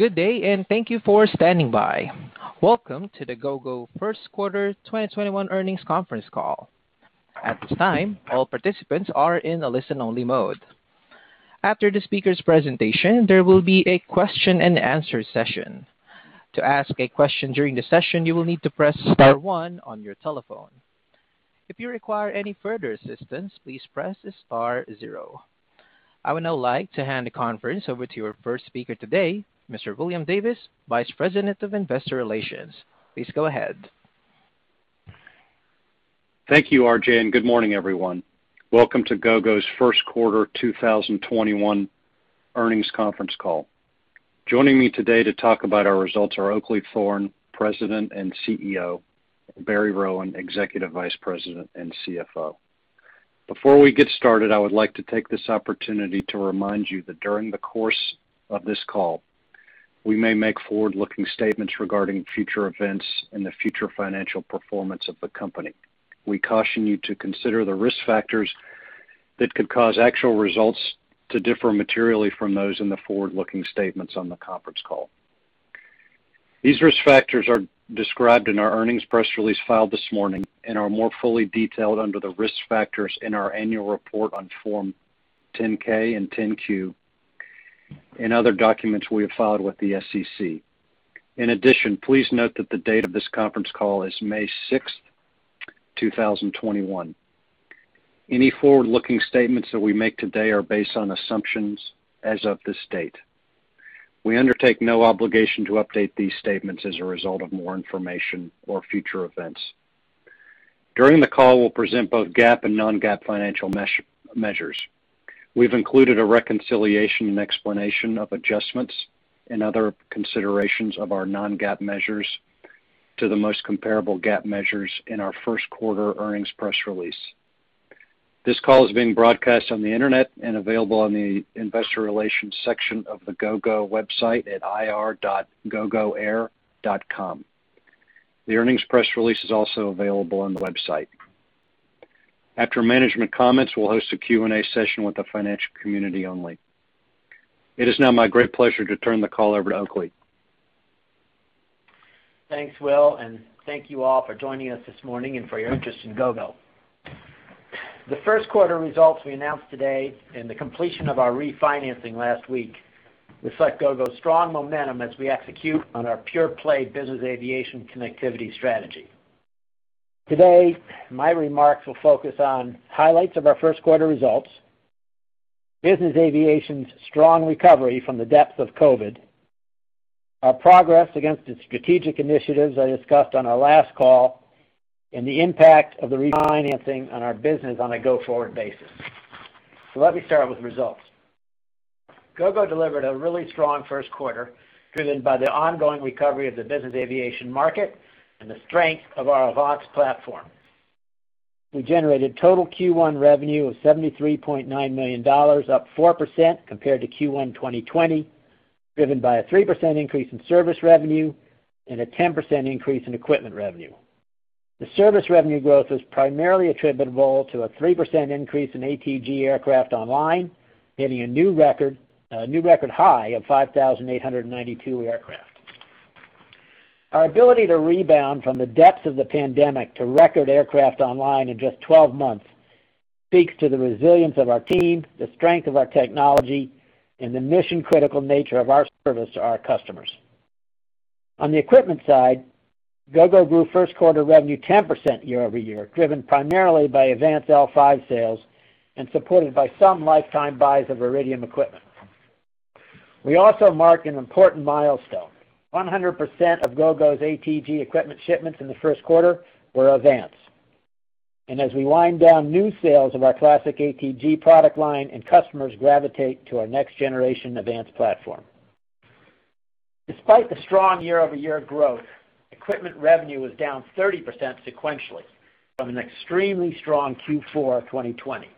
Good day, and thank you for standing by. Welcome to the Gogo Q1 2021 earnings conference call. At this time, all participants are in a listen-only mode. After the speaker's presentation, there will be a question-and-answer session. To ask a question during the session, you will need to press star one on your telephone. If you require any further assistance, please press star zero. I would now like to hand the conference over to your first speaker today, Mr. Will Davis, Vice President of Investor Relations. Please go ahead. Thank you, RJ, and good morning, everyone. Welcome to Gogo's Q1 2021 earnings conference call. Joining me today to talk about our results are Oakleigh Thorne, President and CEO, and Barry Rowan, Executive Vice President and CFO. Before we get started, I would like to take this opportunity to remind you that during the course of this call, we may make forward-looking statements regarding future events and the future financial performance of the company. We caution you to consider the risk factors that could cause actual results to differ materially from those in the forward-looking statements on the conference call. These risk factors are described in our earnings press release filed this morning and are more fully detailed under the risk factors in our annual report on Form 10-K and 10-Q and other documents we have filed with the SEC. In addition, please note that the date of this conference call is May 6, 2021. Any forward-looking statements that we make today are based on assumptions as of this date. We undertake no obligation to update these statements as a result of more information or future events. During the call, we'll present both GAAP and non-GAAP financial measures. We've included a reconciliation and explanation of adjustments and other considerations of our non-GAAP measures to the most comparable GAAP measures in our Q1 earnings press release. This call is being broadcast on the Internet and available on the investor relations section of the Gogo website at ir.gogoair.com. The earnings press release is also available on the website. After management comments, we'll host a Q&A session with the financial community only. It is now my great pleasure to turn the call over to Oakleigh. Thanks, Will, and thank you all for joining us this morning and for your interest in Gogo. The Q1 results we announced today and the completion of our refinancing last week reflect Gogo's strong momentum as we execute on our pure-play business aviation connectivity strategy. Today, my remarks will focus on highlights of our Q1 results, business aviation's strong recovery from the depths of COVID, our progress against the strategic initiatives I discussed on our last call, and the impact of the refinancing on our business on a go-forward basis. Let me start with results. Gogo delivered a really strong Q1, driven by the ongoing recovery of the business aviation market and the strength of our AVANCE platform. We generated total Q1 revenue of $73.9 million, up 4% compared to Q1 2020, driven by a 3% increase in service revenue and a 10% increase in equipment revenue. The service revenue growth was primarily attributable to a 3% increase in ATG aircraft online, hitting a new record high of 5,892 aircraft. Our ability to rebound from the depths of the pandemic to record aircraft online in just 12 months speaks to the resilience of our team, the strength of our technology, and the mission-critical nature of our service to our customers. On the equipment side, Gogo grew Q1 revenue 10% year-over-year, driven primarily by AVANCE L5 sales and supported by some lifetime buys of Iridium equipment. We also marked an important milestone. 100% of Gogo's ATG equipment shipments in the Q1 were AVANCE, and as we wind down new sales of our classic ATG product line and customers gravitate to our next-generation AVANCE platform. Despite the strong year-over-year growth, equipment revenue was down 30% sequentially from an extremely strong Q4 2020.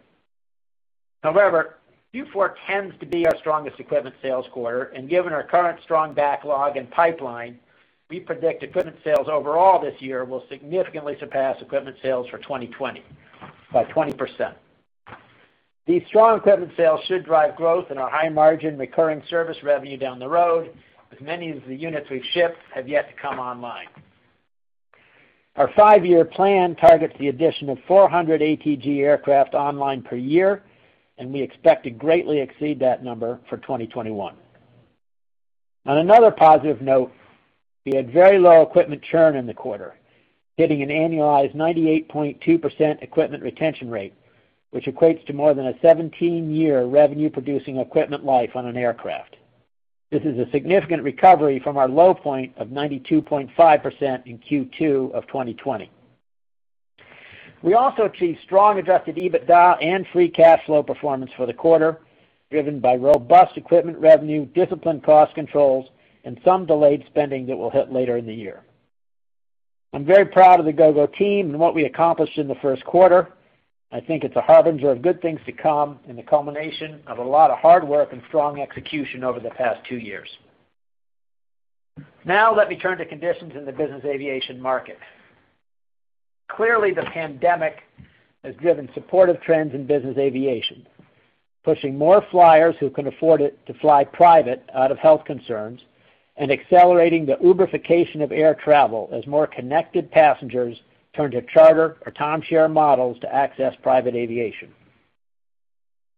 However, Q4 tends to be our strongest equipment sales quarter, and given our current strong backlog and pipeline, we predict equipment sales overall this year will significantly surpass equipment sales for 2020 by 20%. These strong equipment sales should drive growth in our high margin recurring service revenue down the road, as many of the units we've shipped have yet to come online. Our five-year plan targets the addition of 400 ATG aircraft online per year, and we expect to greatly exceed that number for 2021. On another positive note, we had very low equipment churn in the quarter, hitting an annualized 98.2% equipment retention rate, which equates to more than a 17-year revenue-producing equipment life on an aircraft. This is a significant recovery from our low point of 92.5% in Q2 of 2020. We also achieved strong adjusted EBITDA and free cash flow performance for the quarter, driven by robust equipment revenue, disciplined cost controls, and some delayed spending that will hit later in the year. I'm very proud of the Gogo team and what we accomplished in the Q1. I think it's a harbinger of good things to come and the culmination of a lot of hard work and strong execution over the past two years. Now let me turn to conditions in the business aviation market. Clearly, the pandemic has driven supportive trends in business aviation, pushing more flyers who can afford it to fly private out of health concerns and accelerating the Uber-ification of air travel as more connected passengers turn to charter or timeshare models to access private aviation.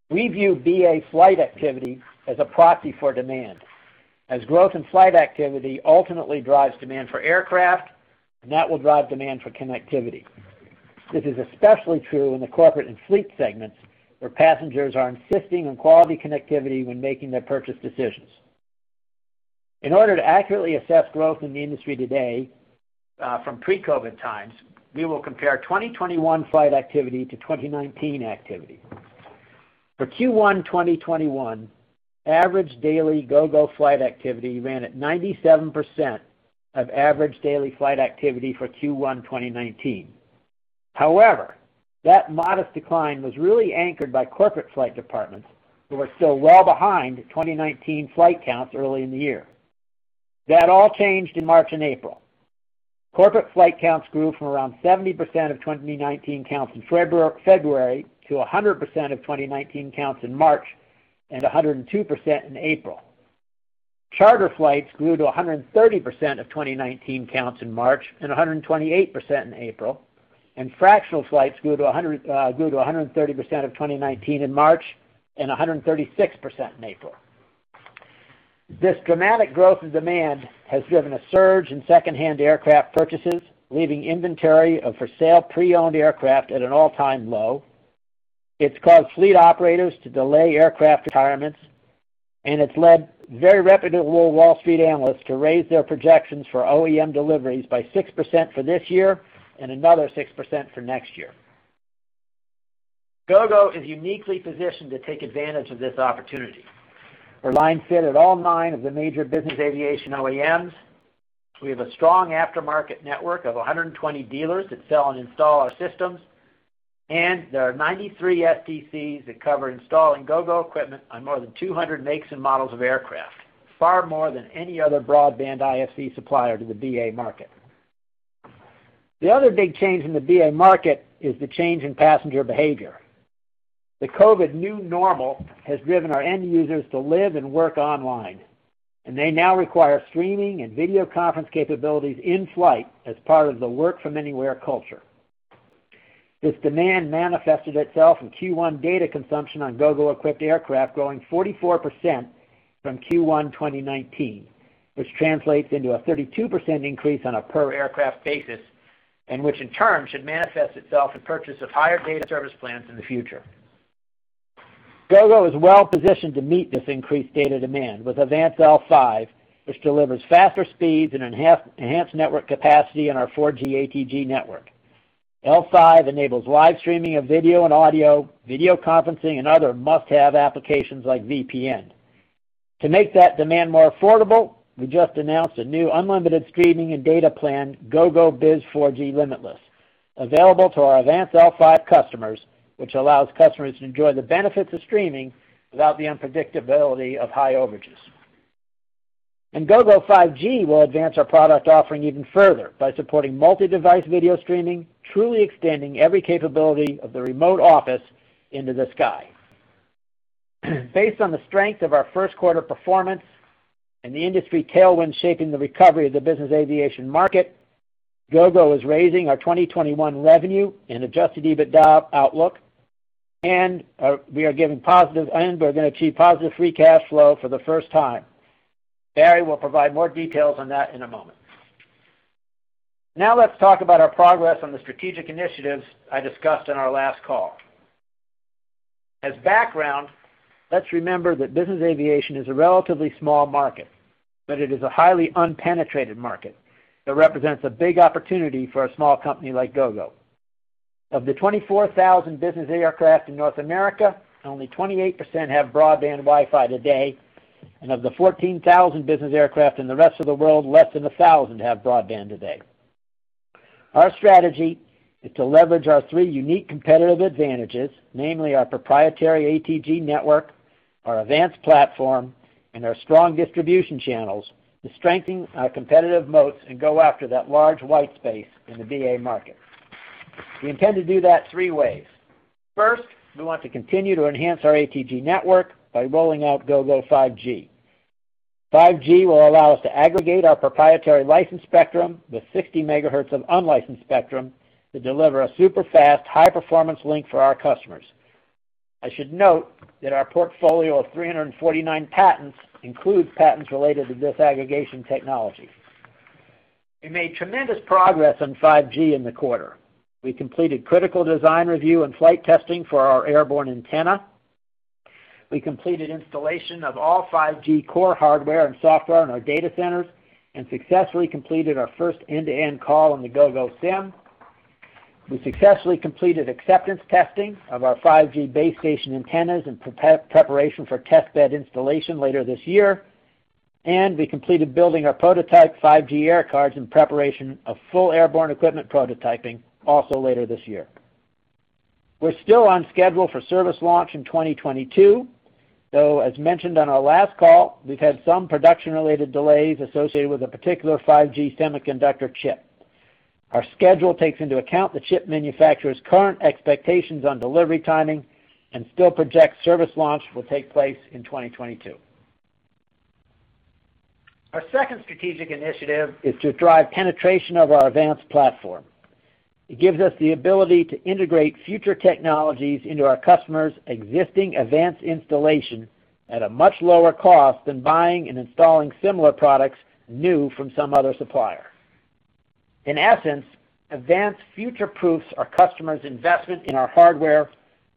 We view BA flight activity as a proxy for demand, as growth in flight activity ultimately drives demand for aircraft, and that will drive demand for connectivity. This is especially true in the corporate and fleet segments, where passengers are insisting on quality connectivity when making their purchase decisions. In order to accurately assess growth in the industry today, from pre-COVID times, we will compare 2021 flight activity to 2019 activity. For Q1-2021, average daily Gogo flight activity ran at 97% of average daily flight activity for Q1-2019. That modest decline was really anchored by corporate flight departments who are still well behind 2019 flight counts early in the year. That all changed in March and April. Corporate flight counts grew from around 70% of 2019 counts in February to 100% of 2019 counts in March and 102% in April. Charter flights grew to 130% of 2019 counts in March and 128% in April, fractional flights grew to 130% of 2019 in March and 136% in April. This dramatic growth in demand has driven a surge in secondhand aircraft purchases, leaving inventory of for sale pre-owned aircraft at an all-time low. It's caused fleet operators to delay aircraft retirements, it's led very reputable Wall Street analysts to raise their projections for OEM deliveries by 6% for this year and another 6% for next year. Gogo is uniquely positioned to take advantage of this opportunity. We're line fit at all 9 of the major business aviation OEMs. We have a strong aftermarket network of 120 dealers that sell and install our systems, there are 93 STCs that cover installing Gogo equipment on more than 200 makes and models of aircraft, far more than any other broadband IFC supplier to the BA market. The other big change in the BA market is the change in passenger behavior. The COVID new normal has driven our end users to live and work online, and they now require streaming and video conference capabilities in-flight as part of the work from anywhere culture. This demand manifested itself in Q1 data consumption on Gogo-equipped aircraft growing 44% from Q1-2019, which translates into a 32% increase on a per aircraft basis, and which in turn should manifest itself in purchase of higher data service plans in the future. Gogo is well positioned to meet this increased data demand with AVANCE L5, which delivers faster speeds and enhanced network capacity on our 4G ATG network. L5 enables live streaming of video and audio, video conferencing, and other must-have applications like VPN. To make that demand more affordable, we just announced a new unlimited streaming and data plan, Gogo Biz 4G Limitless, available to our AVANCE L5 customers, which allows customers to enjoy the benefits of streaming without the unpredictability of high overages. Gogo 5G will advance our product offering even further by supporting multi-device video streaming, truly extending every capability of the remote office into the sky. Based on the strength of our Q1 performance and the industry tailwind shaping the recovery of the business aviation market, Gogo is raising our 2021 revenue and adjusted EBITDA outlook, and we're gonna achieve positive free cash flow for the first time. Barry will provide more details on that in a moment. Now let's talk about our progress on the strategic initiatives I discussed on our last call. As background, let's remember that business aviation is a relatively small market, but it is a highly unpenetrated market that represents a big opportunity for a small company like Gogo. Of the 24,000 business aircraft in North America, only 28% have broadband Wi-Fi today, and of the 14,000 business aircraft in the rest of the world, less than 1,000 have broadband today. Our strategy is to leverage our three unique competitive advantages, namely our proprietary ATG network, our AVANCE platform, and our strong distribution channels to strengthen our competitive moats and go after that large white space in the BA market. We intend to do that three ways. First, we want to continue to enhance our ATG network by rolling out Gogo 5G. 5G will allow us to aggregate our proprietary licensed spectrum with 60 megahertz of unlicensed spectrum to deliver a super-fast, high-performance link for our customers. I should note that our portfolio of 349 patents includes patents related to this aggregation technology. We made tremendous progress on 5G in the quarter. We completed critical design review and flight testing for our airborne antenna. We completed installation of all 5G core hardware and software in our data centers and successfully completed our first end-to-end call on the Gogo SIM. We successfully completed acceptance testing of our 5G base station antennas in preparation for test bed installation later this year. We completed building our prototype Gogo 5G air cards in preparation of full airborne equipment prototyping also later this year. We're still on schedule for service launch in 2022, though as mentioned on our last call, we've had some production-related delays associated with a particular 5G semiconductor chip. Our schedule takes into account the chip manufacturer's current expectations on delivery timing and still projects service launch will take place in 2022. Our second strategic initiative is to drive penetration of our AVANCE platform. It gives us the ability to integrate future technologies into our customers' existing AVANCE installation at a much lower cost than buying and installing similar products new from some other supplier. In essence, AVANCE future-proofs our customers' investment in our hardware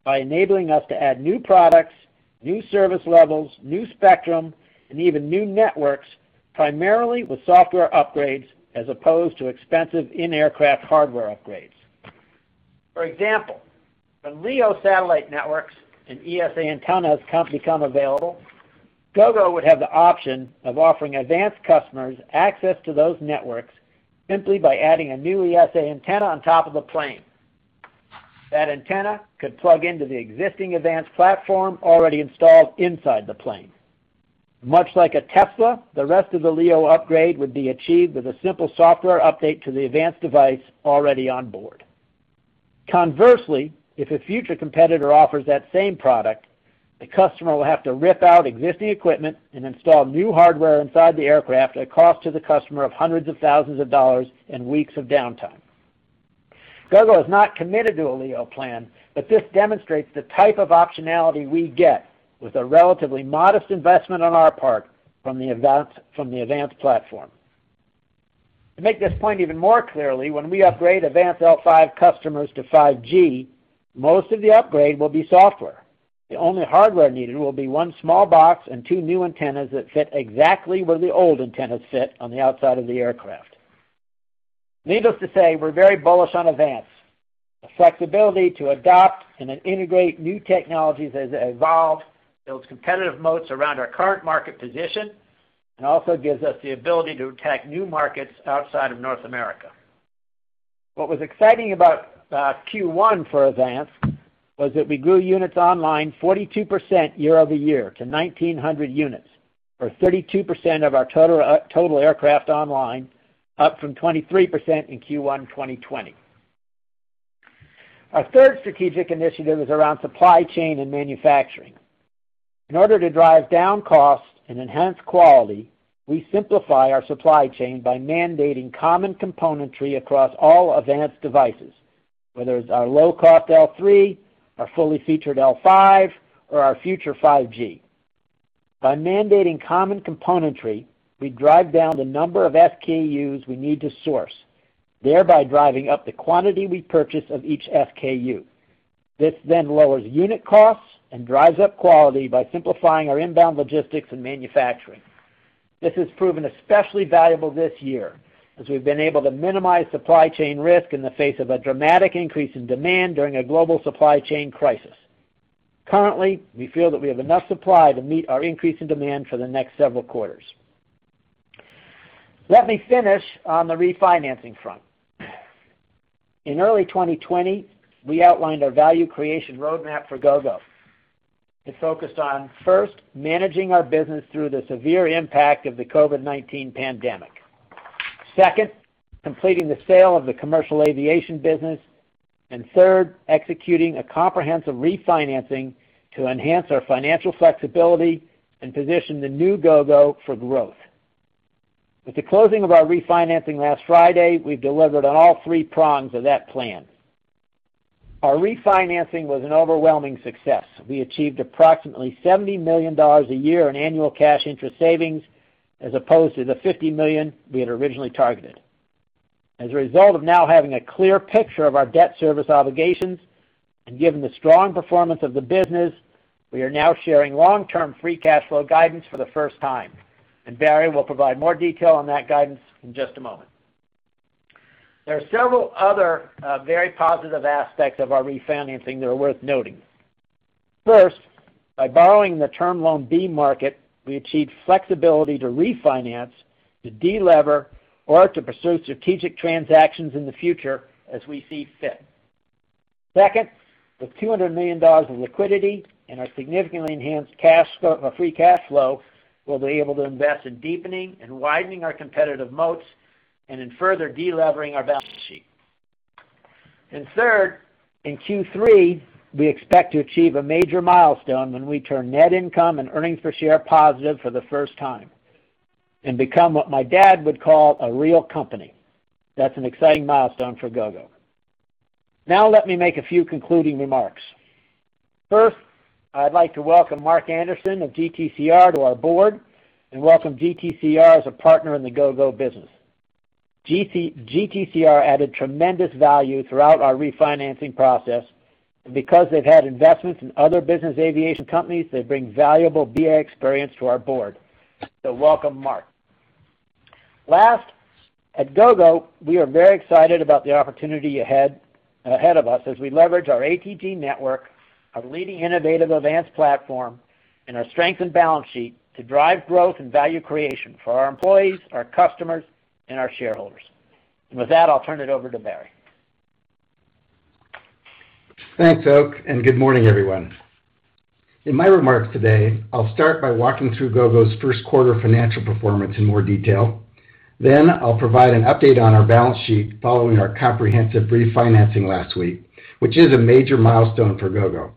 by enabling us to add new products, new service levels, new spectrum, and even new networks, primarily with software upgrades as opposed to expensive in-aircraft hardware upgrades. For example, when LEO satellite networks and ESA antennas become available, Gogo would have the option of offering AVANCE customers access to those networks simply by adding a new ESA antenna on top of a plane. That antenna could plug into the existing AVANCE platform already installed inside the plane. Much like a Tesla, the rest of the LEO upgrade would be achieved with a simple software update to the AVANCE device already on board. Conversely, if a future competitor offers that same product, the customer will have to rip out existing equipment and install new hardware inside the aircraft at a cost to the customer of $hundreds of thousands and weeks of downtime. Gogo is not committed to a LEO plan. This demonstrates the type of optionality we get with a relatively modest investment on our part from the AVANCE platform. To make this point even more clearly, when we upgrade AVANCE L5 customers to 5G, most of the upgrade will be software. The only hardware needed will be one small box and two new antennas that fit exactly where the old antennas sit on the outside of the aircraft. Needless to say, we're very bullish on AVANCE. The flexibility to adopt and then integrate new technologies as they evolve builds competitive moats around our current market position and also gives us the ability to attack new markets outside of North America. What was exciting about Q1 for AVANCE was that we grew units online 42% year-over-year to 1,900 units, or 32% of our total aircraft online, up from 23% in Q1 2020. Our third strategic initiative is around supply chain and manufacturing. In order to drive down costs and enhance quality, we simplify our supply chain by mandating common componentry across all AVANCE devices, whether it's our low-cost L3, our fully featured L5, or our future 5G. By mandating common componentry, we drive down the number of SKUs we need to source, thereby driving up the quantity we purchase of each SKU. This lowers unit costs and drives up quality by simplifying our inbound logistics and manufacturing. This has proven especially valuable this year, as we've been able to minimize supply chain risk in the face of a dramatic increase in demand during a global supply chain crisis. Currently, we feel that we have enough supply to meet our increase in demand for the next several quarters. Let me finish on the refinancing front. In early 2020, we outlined our value creation roadmap for Gogo. It focused on, first, managing our business through the severe impact of the COVID-19 pandemic. Second, completing the sale of the commercial aviation business. Third, executing a comprehensive refinancing to enhance our financial flexibility and position the new Gogo for growth. With the closing of our refinancing last Friday, we've delivered on all three prongs of that plan. Our refinancing was an overwhelming success. We achieved approximately $70 million a year in annual cash interest savings, as opposed to the $50 million we had originally targeted. As a result of now having a clear picture of our debt service obligations, and given the strong performance of the business, we are now sharing long-term free cash flow guidance for the first time. Barry will provide more detail on that guidance in just a moment. There are several other very positive aspects of our refinancing that are worth noting. First, by borrowing in the term loan B market, we achieved flexibility to refinance, to delever, or to pursue strategic transactions in the future as we see fit. Second, with $200 million in liquidity and our significantly enhanced cash flow or free cash flow, we'll be able to invest in deepening and widening our competitive moats and in further delevering our balance sheet. Third, in Q3, we expect to achieve a major milestone when we turn net income and earnings per share positive for the first time and become what my dad would call a real company. That's an exciting milestone for Gogo. Now let me make a few concluding remarks. First, I'd like to welcome Mark Anderson of GTCR to our board and welcome GTCR as a partner in the Gogo business. GTCR added tremendous value throughout our refinancing process, and because they've had investments in other business aviation companies, they bring valuable BA experience to our board. Welcome, Mark. Last, at Gogo, we are very excited about the opportunity ahead of us as we leverage our ATG network, our leading innovative AVANCE platform and our strengthened balance sheet to drive growth and value creation for our employees, our customers, and our shareholders. With that, I'll turn it over to Barry. Thanks, Oak. Good morning, everyone. In my remarks today, I'll start by walking through Gogo's Q1 financial performance in more detail. I'll provide an update on our balance sheet following our comprehensive refinancing last week, which is a major milestone for Gogo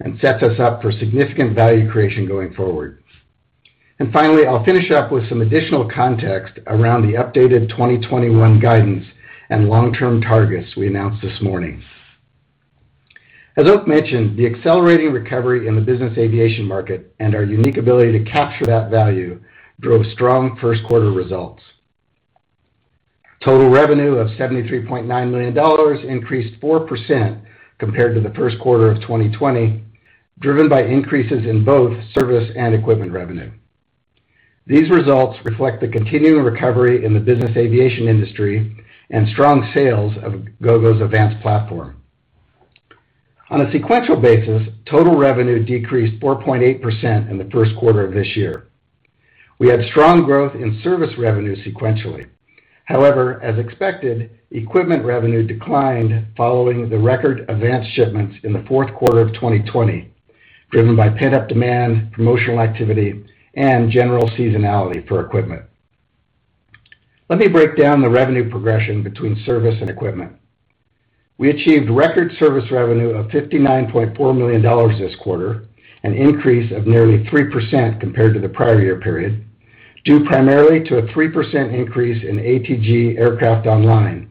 and sets us up for significant value creation going forward. Finally, I'll finish up with some additional context around the updated 2021 guidance and long-term targets we announced this morning. As Oak mentioned, the accelerating recovery in the business aviation market and our unique ability to capture that value drove strong Q1 results. Total revenue of $73.9 million increased 4% compared to the Q1 of 2020, driven by increases in both service and equipment revenue. These results reflect the continuing recovery in the business aviation industry and strong sales of Gogo's AVANCE platform. On a sequential basis, total revenue decreased 4.8% in the Q1 of this year. We had strong growth in service revenue sequentially. As expected, equipment revenue declined following the record AVANCE shipments in the Q4 of 2020, driven by pent-up demand, promotional activity, and general seasonality for equipment. Let me break down the revenue progression between service and equipment. We achieved record service revenue of $59.4 million this quarter, an increase of nearly 3% compared to the prior year period, due primarily to a 3% increase in ATG aircraft online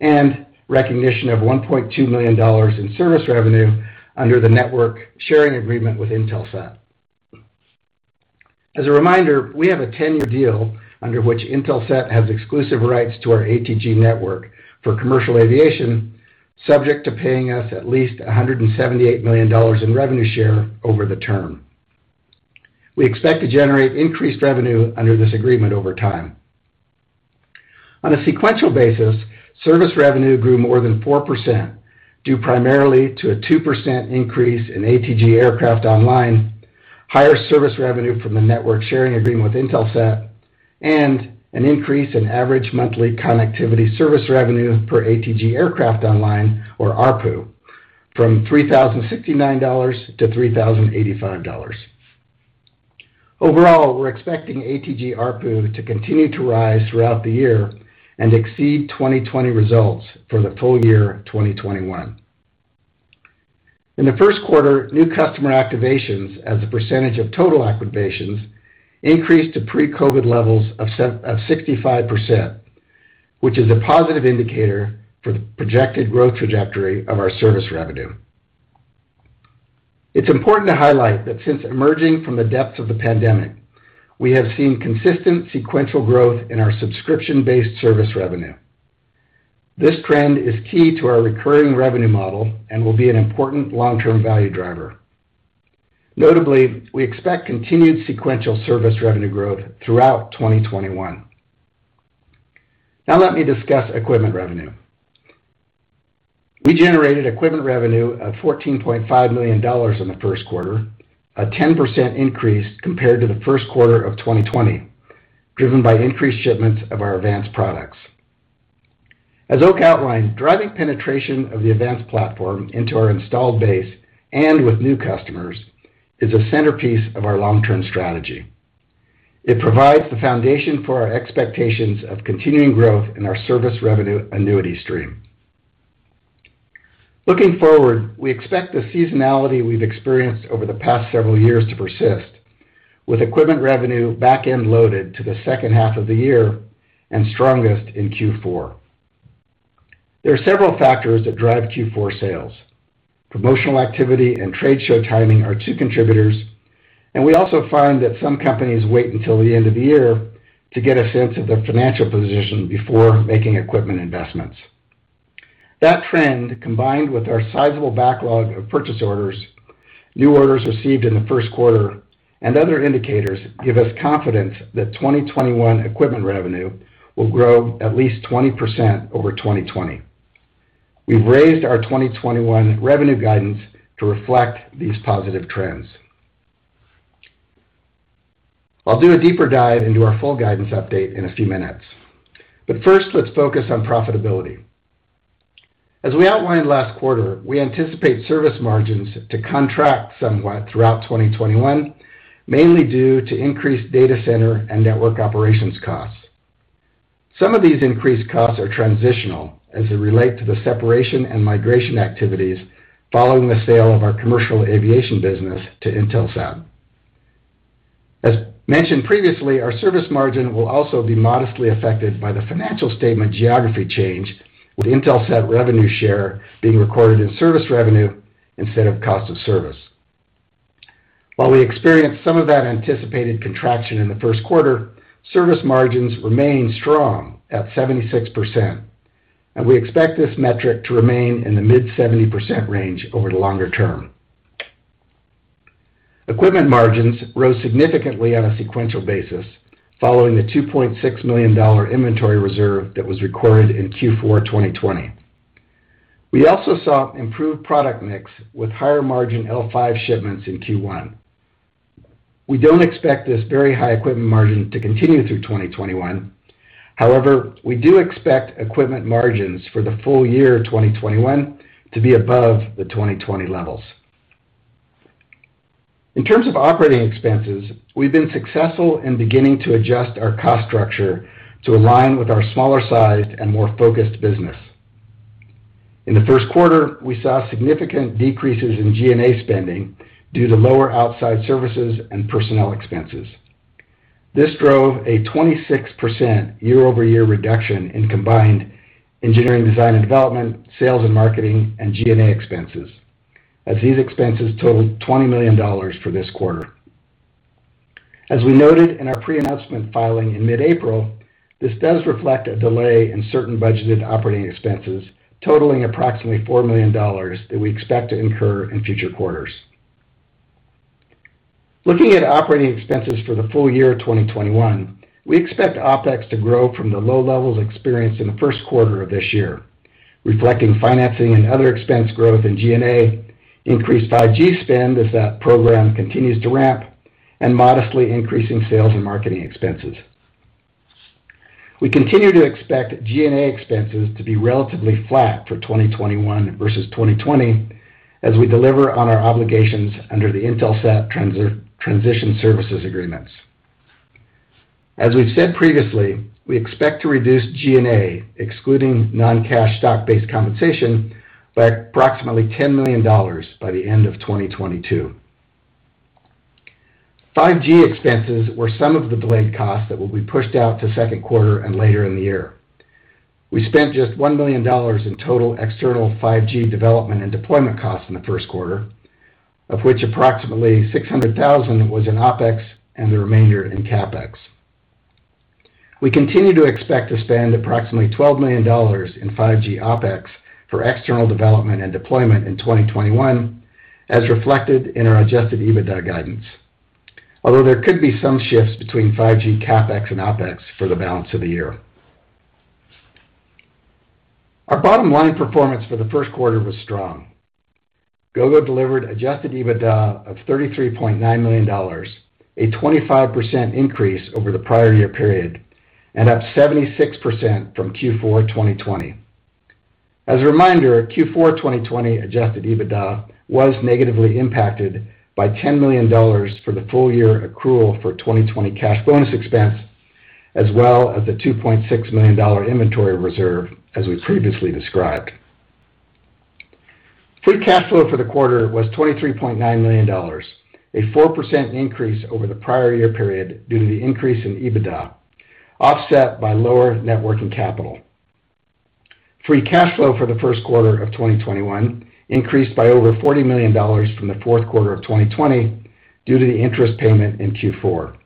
and recognition of $1.2 million in service revenue under the network sharing agreement with Intelsat. As a reminder, we have a 10-year deal under which Intelsat has exclusive rights to our ATG network for commercial aviation, subject to paying us at least $178 million in revenue share over the term. We expect to generate increased revenue under this agreement over time. On a sequential basis, service revenue grew more than 4%, due primarily to a 2% increase in ATG Aircraft Online, higher service revenue from the network sharing agreement with Intelsat, and an increase in average monthly connectivity service revenue per ATG Aircraft Online, or ARPU, from $3,069-$3,085. Overall, we're expecting ATG ARPU to continue to rise throughout the year and exceed 2020 results for the full year 2021. In the Q1, new customer activations as a percentage of total activations increased to pre-COVID levels of 65%, which is a positive indicator for the projected growth trajectory of our service revenue. It's important to highlight that since emerging from the depths of the pandemic, we have seen consistent sequential growth in our subscription-based service revenue. This trend is key to our recurring revenue model and will be an important long-term value driver. Notably, we expect continued sequential service revenue growth throughout 2021. Now let me discuss equipment revenue. We generated equipment revenue of $14.5 million in the Q1, a 10% increase compared to the Q1 of 2020, driven by increased shipments of our advanced products. As Oak outlined, driving penetration of the AVANCE platform into our installed base and with new customers is a centerpiece of our long-term strategy. It provides the foundation for our expectations of continuing growth in our service revenue annuity stream. Looking forward, we expect the seasonality we've experienced over the past several years to persist, with equipment revenue back-end loaded to the second half of the year and strongest in Q4. There are several factors that drive Q4 sales. Promotional activity and trade show timing are two contributors, and we also find that some companies wait until the end of the year to get a sense of their financial position before making equipment investments. That trend, combined with our sizable backlog of purchase orders, new orders received in the Q1, and other indicators, give us confidence that 2021 equipment revenue will grow at least 20% over 2020. We've raised our 2021 revenue guidance to reflect these positive trends. I'll do a deeper dive into our full guidance update in a few minutes. First, let's focus on profitability. As we outlined last quarter, we anticipate service margins to contract somewhat throughout 2021, mainly due to increased data center and network operations costs. Some of these increased costs are transitional as they relate to the separation and migration activities following the sale of our commercial aviation business to Intelsat. As mentioned previously, our service margin will also be modestly affected by the financial statement geography change, with Intelsat revenue share being recorded in service revenue instead of cost of service. While we experienced some of that anticipated contraction in the Q1, service margins remain strong at 76%, and we expect this metric to remain in the mid 70% range over the longer term. Equipment margins rose significantly on a sequential basis following the $2.6 million inventory reserve that was recorded in Q4 2020. We also saw improved product mix with higher margin L5 shipments in Q1. We don't expect this very high equipment margin to continue through 2021. We do expect equipment margins for the full year 2021 to be above the 2020 levels. In terms of operating expenses, we've been successful in beginning to adjust our cost structure to align with our smaller size and more focused business. In the Q1, we saw significant decreases in G&A spending due to lower outside services and personnel expenses. This drove a 26% year-over-year reduction in combined engineering, design and development, sales and marketing, and G&A expenses, as these expenses totaled $20 million for this quarter. As we noted in our pre-announcement filing in mid-April, this does reflect a delay in certain budgeted operating expenses totaling approximately $4 million that we expect to incur in future quarters. Looking at operating expenses for the full year 2021, we expect OpEx to grow from the low levels experienced in the Q1 of this year, reflecting financing and other expense growth in G&A, increased 5G spend as that program continues to ramp, and modestly increasing sales and marketing expenses. We continue to expect G&A expenses to be relatively flat for 2021 versus 2020 as we deliver on our obligations under the Intelsat transition services agreements. As we've said previously, we expect to reduce G&A, excluding non-cash stock-based compensation, by approximately $10 million by the end of 2022. 5G expenses were some of the delayed costs that will be pushed out to Q2 and later in the year. We spent just $1 million in total external 5G development and deployment costs in the Q1, of which approximately $600,000 was in OpEx and the remainder in CapEx. We continue to expect to spend approximately $12 million in 5G OpEx for external development and deployment in 2021, as reflected in our adjusted EBITDA guidance. Although there could be some shifts between 5G CapEx and OpEx for the balance of the year. Our bottom line performance for the Q1 was strong. Gogo delivered adjusted EBITDA of $33.9 million, a 25% increase over the prior year period, and up 76% from Q4 2020. As a reminder, Q4 2020 adjusted EBITDA was negatively impacted by $10 million for the full year accrual for 2020 cash bonus expense, as well as the $2.6 million inventory reserve, as we previously described. Free cash flow for the quarter was $23.9 million, a 4% increase over the prior year period due to the increase in EBITDA, offset by lower net working capital. Free cash flow for the Q1 of 2021 increased by over $40 million from the Q4 of 2020 due to the interest payment in Q4.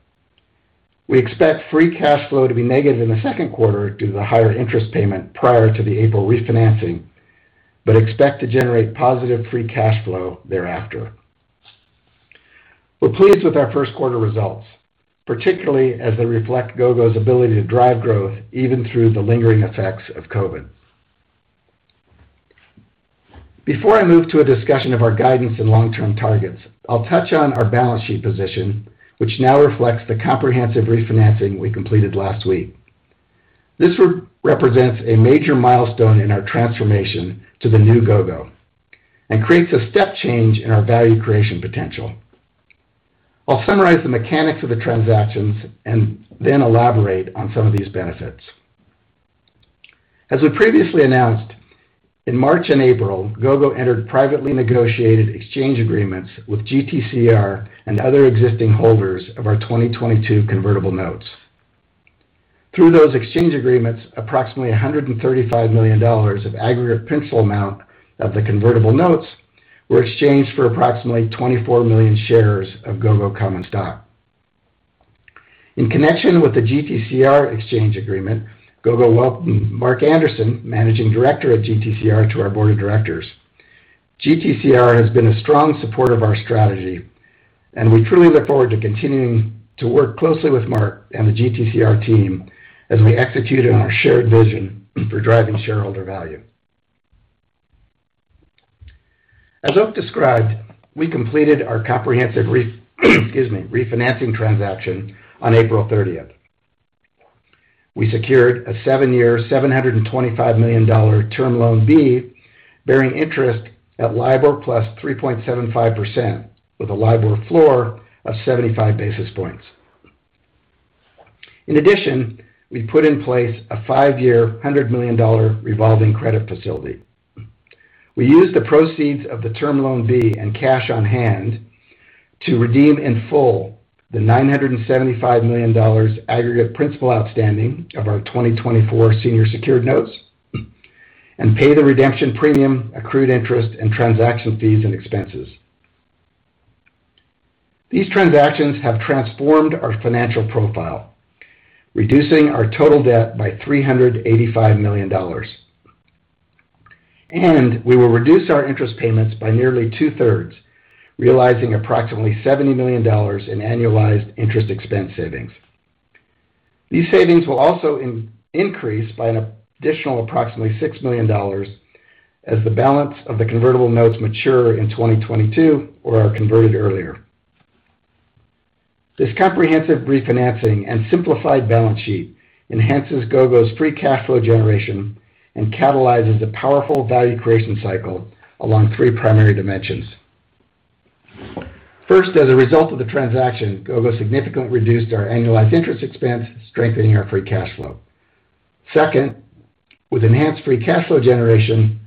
We expect free cash flow to be negative in the Q2 due to the higher interest payment prior to the April refinancing, expect to generate positive free cash flow thereafter. We're pleased with our Q1 results, particularly as they reflect Gogo's ability to drive growth even through the lingering effects of COVID. Before I move to a discussion of our guidance and long-term targets, I'll touch on our balance sheet position, which now reflects the comprehensive refinancing we completed last week. This re-represents a major milestone in our transformation to the new Gogo and creates a step change in our value creation potential. I'll summarize the mechanics of the transactions and then elaborate on some of these benefits. As we previously announced, in March and April, Gogo entered privately negotiated exchange agreements with GTCR and other existing holders of our 2022 convertible notes. Through those exchange agreements, approximately $135 million of aggregate principal amount of the convertible notes were exchanged for approximately 24 million shares of Gogo common stock. In connection with the GTCR exchange agreement, Gogo welcomed Mark Anderson, Managing Director of GTCR to our board of directors. GTCR has been a strong supporter of our strategy, and we truly look forward to continuing to work closely with Mark and the GTCR team as we execute on our shared vision for driving shareholder value. As Oak described, we completed our comprehensive refinancing transaction on April thirtieth. We secured a seven-year, $725 million term loan B, bearing interest at LIBOR plus 3.75%, with a LIBOR floor of 75 basis points. In addition, we put in place a five-year, $100 million revolving credit facility. We used the proceeds of the term loan B and cash on hand to redeem in full the $975 million aggregate principal outstanding of our 2024 senior secured notes and pay the redemption premium, accrued interest, and transaction fees and expenses. These transactions have transformed our financial profile, reducing our total debt by $385 million. We will reduce our interest payments by nearly two-thirds, realizing approximately $70 million in annualized interest expense savings. These savings will also increase by an additional approximately $6 million as the balance of the convertible notes mature in 2022 or are converted earlier. This comprehensive refinancing and simplified balance sheet enhances Gogo's free cash flow generation and catalyzes a powerful value creation cycle along three primary dimensions. First, as a result of the transaction, Gogo significantly reduced our annualized interest expense, strengthening our free cash flow. Second, with enhanced free cash flow generation,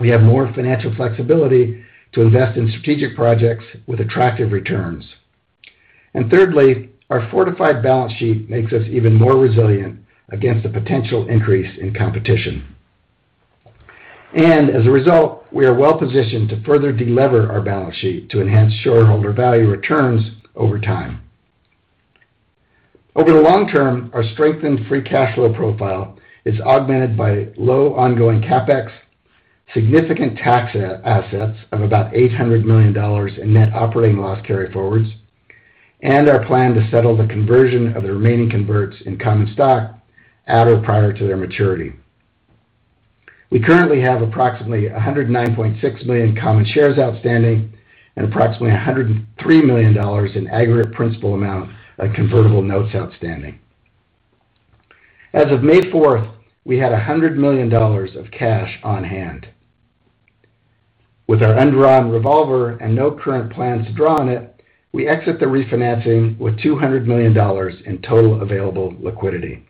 we have more financial flexibility to invest in strategic projects with attractive returns. Thirdly, our fortified balance sheet makes us even more resilient against a potential increase in competition. As a result, we are well-positioned to further de-lever our balance sheet to enhance shareholder value returns over time. Over the long term, our strengthened free cash flow profile is augmented by low ongoing CapEx, significant tax assets of about $800 million in net operating loss carryforwards, and our plan to settle the conversion of the remaining converts in common stock at or prior to their maturity. We currently have approximately 109.6 million common shares outstanding and approximately $103 million in aggregate principal amount of convertible notes outstanding. As of May fourth, we had $100 million of cash on hand. With our undrawn revolver and no current plans to draw on it, we exit the refinancing with $200 million in total available liquidity.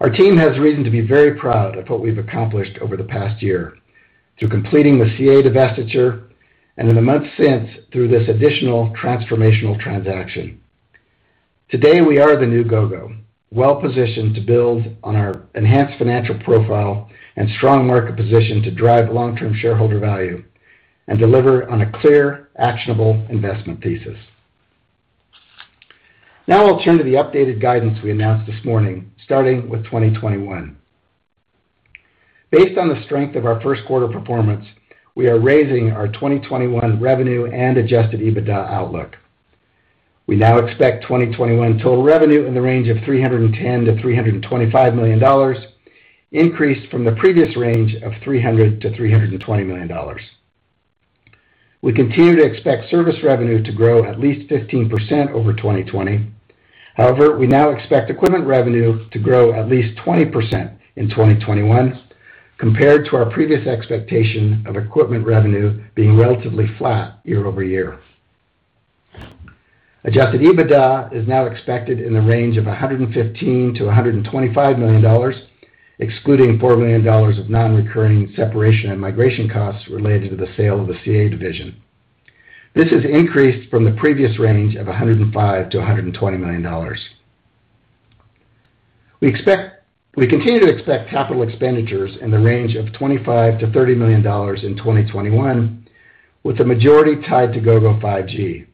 Our team has reason to be very proud of what we've accomplished over the past year through completing the CA divestiture and in the months since through this additional transformational transaction. Today, we are the new Gogo, well-positioned to build on our enhanced financial profile and strong market position to drive long-term shareholder value and deliver on a clear, actionable investment thesis. Now I'll turn to the updated guidance we announced this morning, starting with 2021. Based on the strength of our Q1 performance, we are raising our 2021 revenue and adjusted EBITDA outlook. We now expect 2021 total revenue in the range of $310 million-$325 million, increased from the previous range of $300 million-$320 million. We continue to expect service revenue to grow at least 15% over 2020. However, we now expect equipment revenue to grow at least 20% in 2021, compared to our previous expectation of equipment revenue being relatively flat year-over-year. Adjusted EBITDA is now expected in the range of $115 million-$125 million, excluding $4 million of non-recurring separation and migration costs related to the sale of the CA division. This has increased from the previous range of $105 million-$120 million. We continue to expect capital expenditures in the range of $25 million-$30 million in 2021, with the majority tied to Gogo 5G.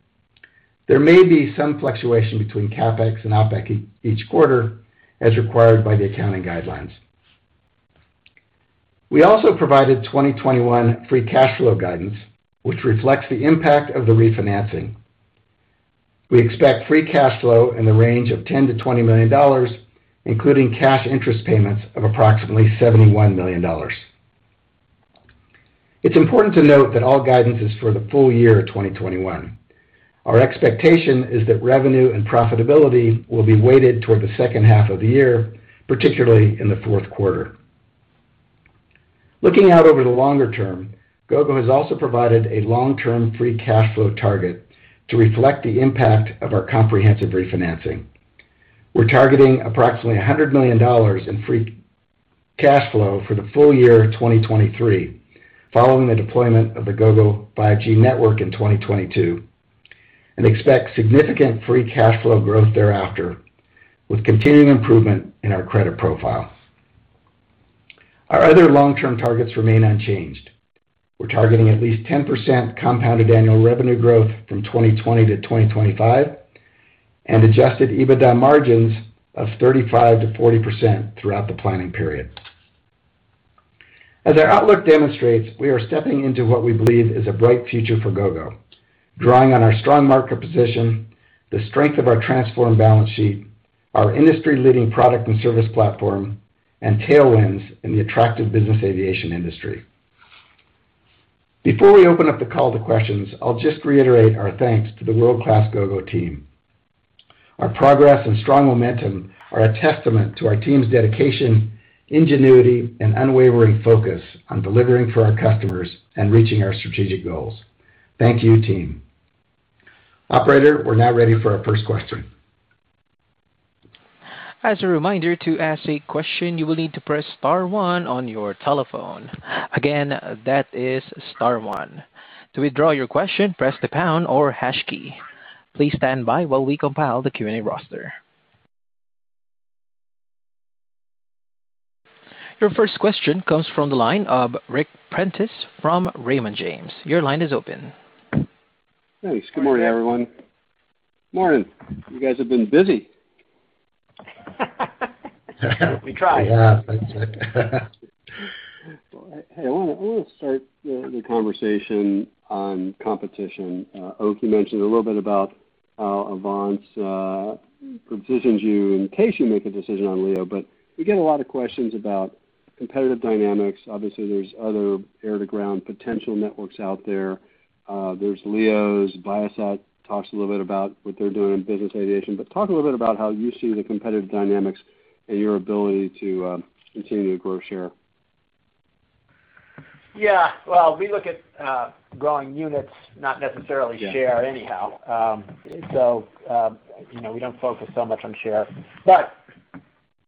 There may be some fluctuation between CapEx and OpEx each quarter, as required by the accounting guidelines. We also provided 2021 free cash flow guidance, which reflects the impact of the refinancing. We expect free cash flow in the range of $10 million-$420 million, including cash interest payments of approximately $71 million. It's important to note that all guidance is for the full year of 2021. Our expectation is that revenue and profitability will be weighted toward the second half of the year, particularly in the Q4. Looking out over the longer term, Gogo has also provided a long-term free cash flow target to reflect the impact of our comprehensive refinancing. We're targeting approximately $100 million in free cash flow for the full year of 2023, following the deployment of the Gogo 5G network in 2022, and expect significant free cash flow growth thereafter, with continuing improvement in our credit profile. Our other long-term targets remain unchanged. We're targeting at least 10% compounded annual revenue growth from 2020 to 2025, and adjusted EBITDA margins of 35%-40% throughout the planning period. As our outlook demonstrates, we are stepping into what we believe is a bright future for Gogo, drawing on our strong market position, the strength of our transformed balance sheet, our industry-leading product and service platform, and tailwinds in the attractive business aviation industry. Before we open up the call to questions, I'll just reiterate our thanks to the world-class Gogo team. Our progress and strong momentum are a testament to our team's dedication, ingenuity, and unwavering focus on delivering for our customers and reaching our strategic goals. Thank you, team. Operator, we're now ready for our first question. Your first question comes from the line of Ric Prentiss from Raymond James. Your line is open. Thanks. Good morning, everyone. Morning. You guys have been busy. We try. Yeah, that's it. Well, hey, I wanna start the conversation on competition. Oak, you mentioned a little bit about how AVANCE positions you in case you make a decision on LEO, but we get a lot of questions about competitive dynamics. Obviously, there's other air-to-ground potential networks out there. There's LEOs. Viasat talks a little bit about what they're doing in business aviation. Talk a little bit about how you see the competitive dynamics and your ability to continue to grow share. Yeah. Well, we look at growing units, not necessarily. Yeah Share anyhow. You know, we don't focus so much on share.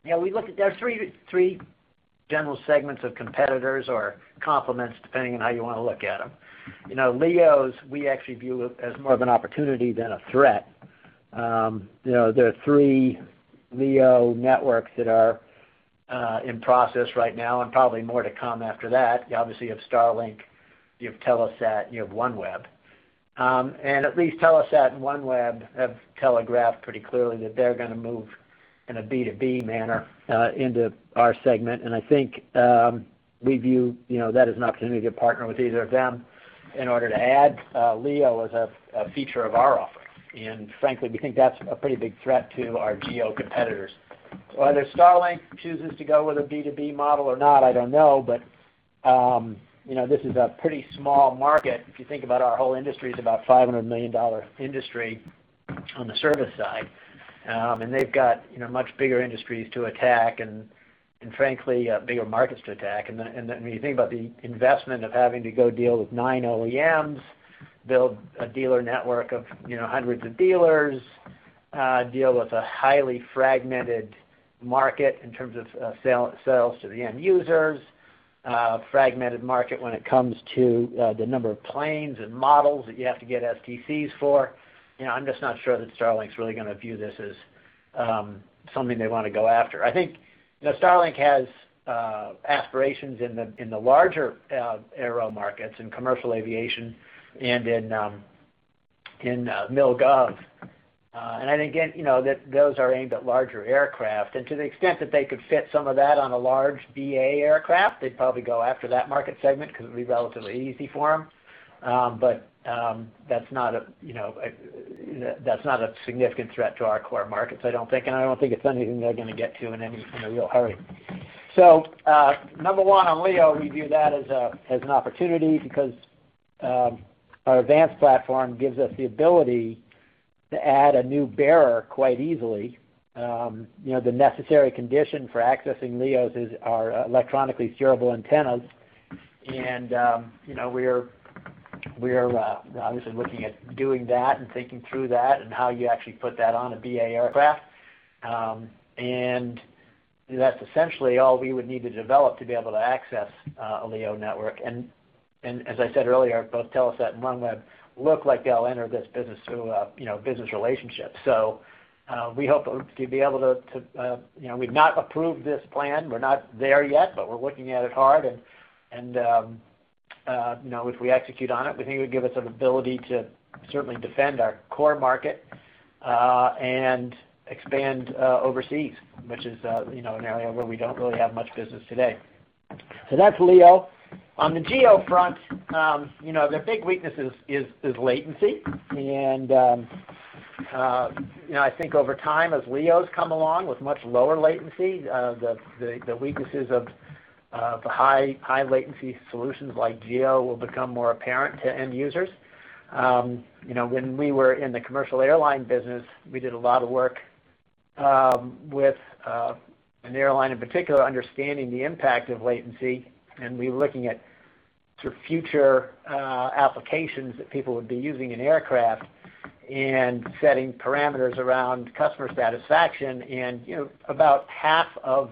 You know, we look at There are three general segments of competitors or complements, depending on how you wanna look at them. You know, LEOs, we actually view as more of an opportunity than a threat. You know, there are three LEO networks that are in process right now and probably more to come after that. You obviously have Starlink, you have Telesat, and you have OneWeb. At least Telesat and OneWeb have telegraphed pretty clearly that they're gonna move in a B2B manner into our segment. I think, you know, we view that as an opportunity to partner with either of them in order to add LEO as a feature of our offering. Frankly, we think that's a pretty big threat to our GEO competitors. Whether Starlink chooses to go with a B2B model or not, I don't know, but, you know, this is a pretty small market. If you think about our whole industry is about a $500 million industry on the service side. They've got, you know, much bigger industries to attack and, frankly, bigger markets to attack. When you think about the investment of having to go deal with 9 OEMs, build a dealer network of, you know, hundreds of dealers, deal with a highly fragmented market in terms of, sales to the end users, fragmented market when it comes to, the number of planes and models that you have to get STCs for, you know, I'm just not sure that Starlink's really gonna view this as, something they wanna go after. I think, you know, Starlink has aspirations in the, in the larger, aero markets, in commercial aviation and in Mil-Gov. I think, again, you know, that those are aimed at larger aircraft. To the extent that they could fit some of that on a large BA aircraft, they'd probably go after that market segment because it'd be relatively easy for them. But that's not a, you know, significant threat to our core markets, I don't think, and I don't think it's anything they're gonna get to in any, in a real hurry. Number one, on LEO, we view that as an opportunity because our AVANCE platform gives us the ability to add a new bearer quite easily. You know, the necessary condition for accessing LEOs is our electronically steerable antennas. You know, we're obviously looking at doing that and thinking through that and how you actually put that on a BA aircraft. That's essentially all we would need to develop to be able to access a LEO network. As I said earlier, both Telesat and OneWeb look like they'll enter this business through a, you know, business relationship. We hope to be able to, you know, we've not approved this plan. We're not there yet, but we're looking at it hard. You know, if we execute on it, we think it would give us an ability to certainly defend our core market and expand overseas, which is, you know, an area where we don't really have much business today. That's LEO. On the GEO front, you know, their big weakness is latency. You know, I think over time, as LEOs come along with much lower latency, the weaknesses of the high-latency solutions like GEO will become more apparent to end users. You know, when we were in the commercial airline business, we did a lot of work, with an airline in particular, understanding the impact of latency, and we were looking at sort of future, applications that people would be using in aircraft and setting parameters around customer satisfaction. You know, about half of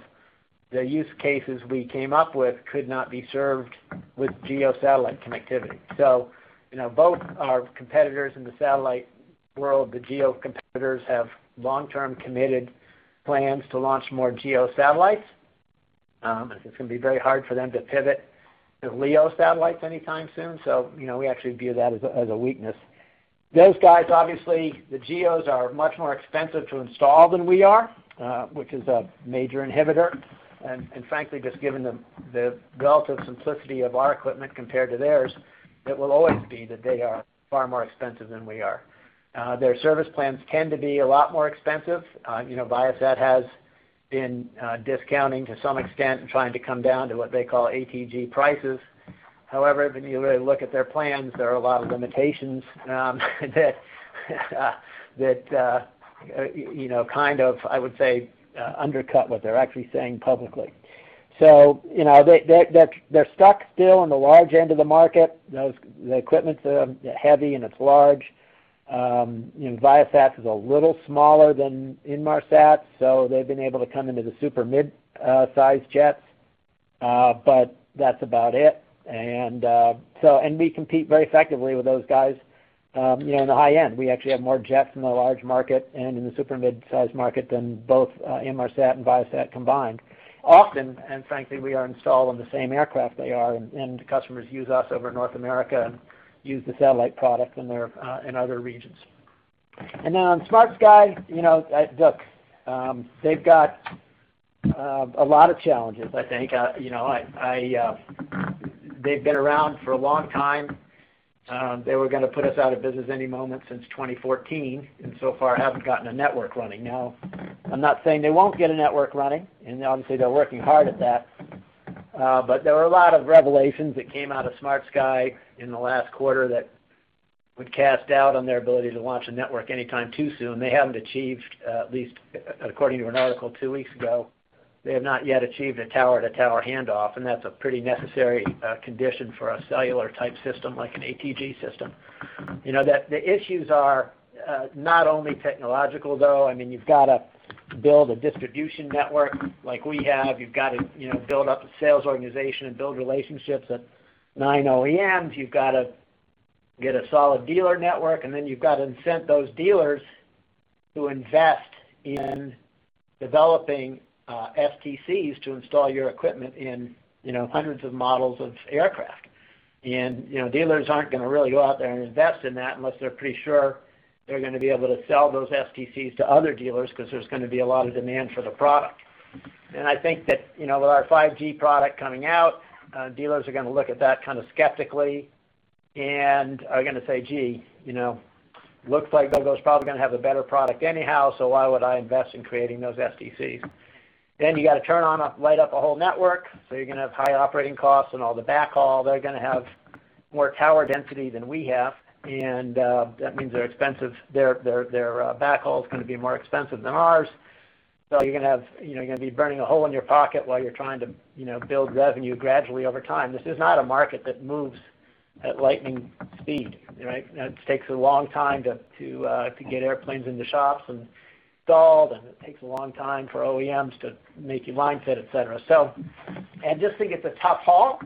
the use cases we came up with could not be served with GEO satellite connectivity. You know, both our competitors in the satellite world, the GEO competitors, have long-term committed plans to launch more GEO satellites. It's gonna be very hard for them to pivot to LEO satellites anytime soon, you know, we actually view that as a weakness. Those guys, obviously, the GEOs are much more expensive to install than we are, which is a major inhibitor. Frankly, just given the relative simplicity of our equipment compared to theirs, it will always be that they are far more expensive than we are. Their service plans tend to be a lot more expensive. You know, Viasat has been discounting to some extent and trying to come down to what they call ATG prices. When you really look at their plans, there are a lot of limitations that, you know, kind of, I would say, undercut what they're actually saying publicly. You know, they're stuck still on the large end of the market. Those, the equipment's heavy and it's large. You know, Viasat is a little smaller than Inmarsat, they've been able to come into the super mid-sized jets, but that's about it. We compete very effectively with those guys, you know, in the high end. We actually have more jets in the large market and in the super mid-sized market than both Inmarsat and Viasat combined. Often, frankly, we are installed on the same aircraft they are, customers use us over North America and use the satellite product when they're in other regions. On SmartSky, you know, look, they've got a lot of challenges, I think. You know, I, they've been around for a long time. They were gonna put us out of business any moment since 2014, and so far haven't gotten a network running. Now, I'm not saying they won't get a network running, and obviously they're working hard at that. There were a lot of revelations that came out of SmartSky in the last quarter that would cast doubt on their ability to launch a network anytime too soon. They haven't achieved, at least according to an article two weeks ago, they have not yet achieved a tower-to-tower handoff, and that's a pretty necessary condition for a cellular-type system like an ATG system. You know, the issues are not only technological, though. I mean, you've gotta build a distribution network like we have. You've gotta, you know, build up a sales organization and build relationships at nine OEMs. You've gotta get a solid dealer network, and then you've gotta incent those dealers to invest in developing STCs to install your equipment in, you know, hundreds of models of aircraft. You know, dealers aren't gonna really go out there and invest in that unless they're pretty sure they're gonna be able to sell those STCs to other dealers, 'cause there's gonna be a lot of demand for the product. I think that, you know, with our Gogo 5G product coming out, dealers are gonna look at that kind of skeptically and are gonna say, "Gee, you know, looks like Gogo's probably gonna have the better product anyhow, why would I invest in creating those STCs?" You gotta turn on, light up a whole network, you're gonna have high operating costs and all the backhaul. They're gonna have more tower density than we have, and that means they're expensive. Their backhaul's gonna be more expensive than ours. You know, you're gonna be burning a hole in your pocket while you're trying to, you know, build revenue gradually over time. This is not a market that moves at lightning speed, right? You know, it takes a long time to get airplanes in the shops and installed, and it takes a long time for OEMs to make your line fit, et cetera. I just think it's a tough haul.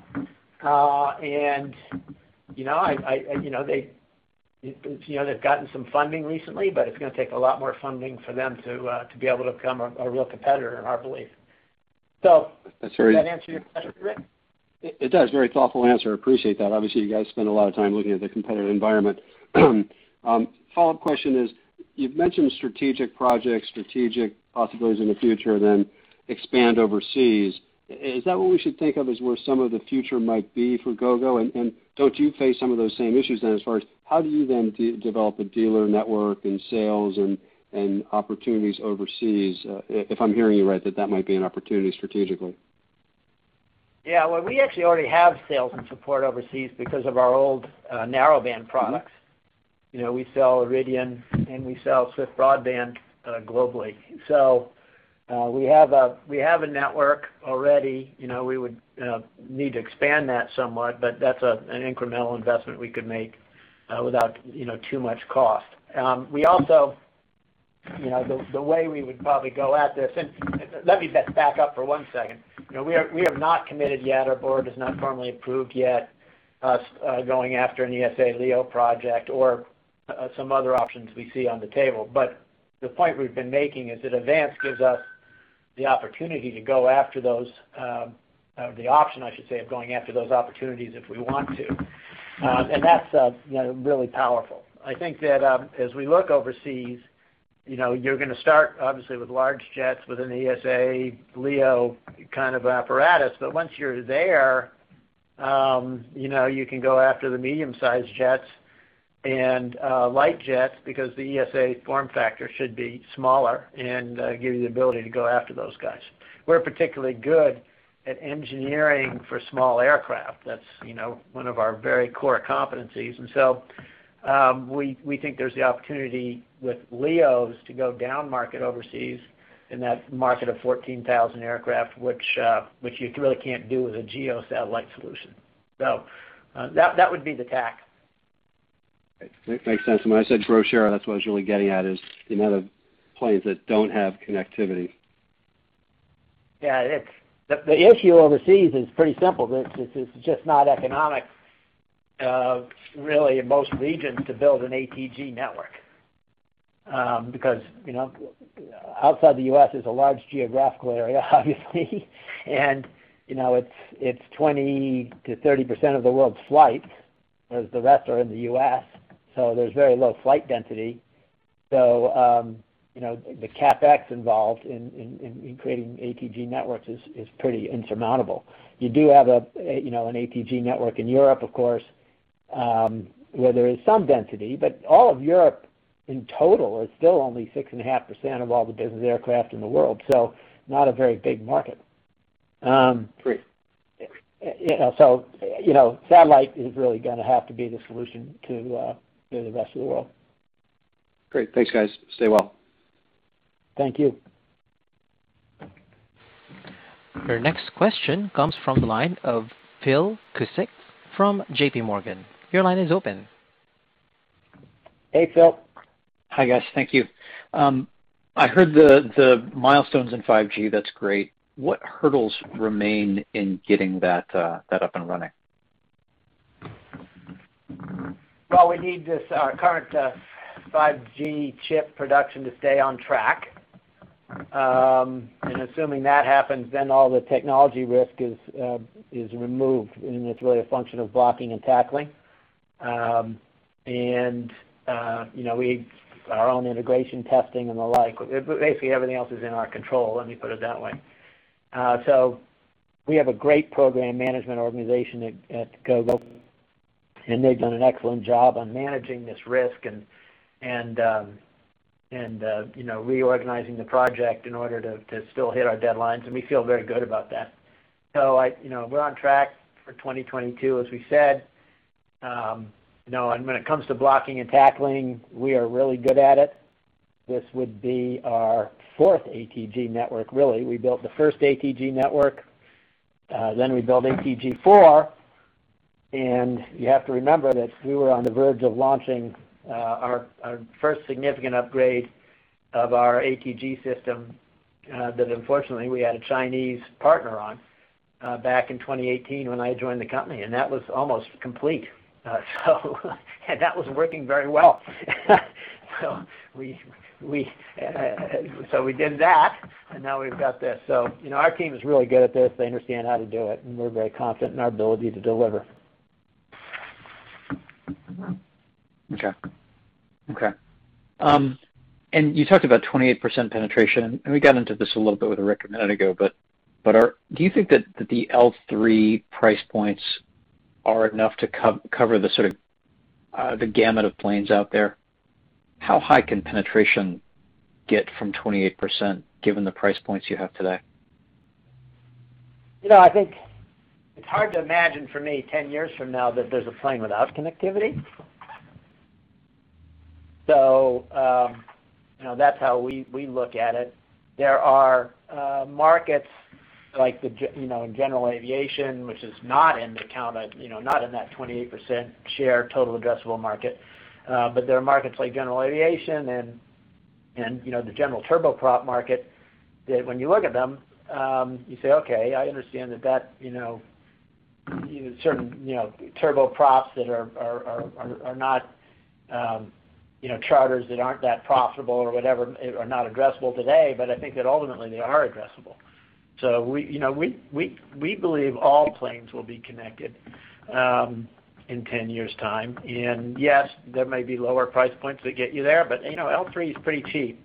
You know, I You know, they've gotten some funding recently, but it's gonna take a lot more funding for them to be able to become a real competitor, in our belief. That's very- Does that answer your question, Ric? It does. Very thoughtful answer. I appreciate that. Obviously, you guys spend a lot of time looking at the competitive environment. Follow-up question is, you've mentioned strategic projects, strategic possibilities in the future, then expand overseas. Is that what we should think of as where some of the future might be for Gogo? Don't you face some of those same issues then, as far as how do you then de-develop a dealer network and sales and opportunities overseas, if I'm hearing you right, that might be an opportunity strategically? Yeah. Well, we actually already have sales and support overseas because of our old, narrowband products. You know, we sell Iridium, and we sell SwiftBroadband, globally. We have a network already. You know, we would need to expand that somewhat, but that's an incremental investment we could make without, you know, too much cost. We also You know, the way we would probably go at this. Let me just back up for one second. You know, we have not committed yet. Our board has not formally approved yet us going after an ESA LEO project or some other options we see on the table. The point we've been making is that AVANCE gives us the opportunity to go after those, the option, I should say, of going after those opportunities if we want to. That's, you know, really powerful. I think that, as we look overseas, you know, you're gonna start obviously with large jets with an ESA LEO kind of apparatus. Once you're there, you know, you can go after the medium-sized jets and light jets because the ESA form factor should be smaller and give you the ability to go after those guys. We're particularly good at engineering for small aircraft. That's, you know, one of our very core competencies. We think there's the opportunity with LEOs to go downmarket overseas in that market of 14,000 aircraft, which you really can't do with a GEO satellite solution. That would be the tack. Makes sense. When I said brochure, that's what I was really getting at, is the amount of planes that don't have connectivity. Yeah. The issue overseas is pretty simple. It's just not economic really in most regions to build an ATG network. Because, you know, outside the U.S. is a large geographical area obviously, and you know, it's 20% to 30% of the world's flights, whereas the rest are in the U.S., so there's very low flight density. You know, the CapEx involved in creating ATG networks is pretty insurmountable. You do have a, you know, an ATG network in Europe, of course, where there is some density, but all of Europe in total is still only 6.5% of all the business aircraft in the world, so not a very big market. Great. You know, satellite is really going to have to be the solution to do the rest of the world. Great. Thanks, guys. Stay well. Thank you. Your next question comes from the line of Philip Cusick from J.P. Morgan. Your line is open. Hey, Phil. Hi, guys. Thank you. I heard the milestones in 5G. That's great. What hurdles remain in getting that up and running? We need this current Gogo 5G chip production to stay on track. Assuming that happens, then all the technology risk is removed, and it's really a function of blocking and tackling. You know, our own integration testing and the like. Basically everything else is in our control, let me put it that way. We have a great program management organization at Gogo, and they've done an excellent job on managing this risk, reorganizing the project in order to still hit our deadlines, and we feel very good about that. You know, we're on track for 2022, as we said. You know, when it comes to blocking and tackling, we are really good at it. This would be our 4th ATG network, really. We built the first ATG network, then we built ATG-4. You have to remember that we were on the verge of launching, our first significant upgrade of our ATG system, that unfortunately we had a Chinese partner on, back in 2018 when I joined the company, and that was almost complete. That was working very well. We did that, and now we've got this. You know, our team is really good at this. They understand how to do it, and we're very confident in our ability to deliver. Okay. Okay. You talked about 28% penetration, and we got into this a little bit with Ric a minute ago, but do you think that the L3 price points are enough to cover the sort of, the gamut of planes out there? How high can penetration get from 28% given the price points you have today? You know, I think it's hard to imagine for me 10 years from now that there's a plane without connectivity. You know, that's how we look at it. There are markets like the you know, in general aviation, which is not in the count of, you know, not in that 28% share total addressable market. There are markets like general aviation and, you know, the general turboprop market that when you look at them, you say, "Okay, I understand that that, you know, certain, you know, turboprops that are not, you know, charters that aren't that profitable or whatever are not addressable today, but I think that ultimately they are addressable." You know, we believe all planes will be connected in 10 years' time. Yes, there may be lower price points that get you there, but, you know, AVANCE L3 is pretty cheap.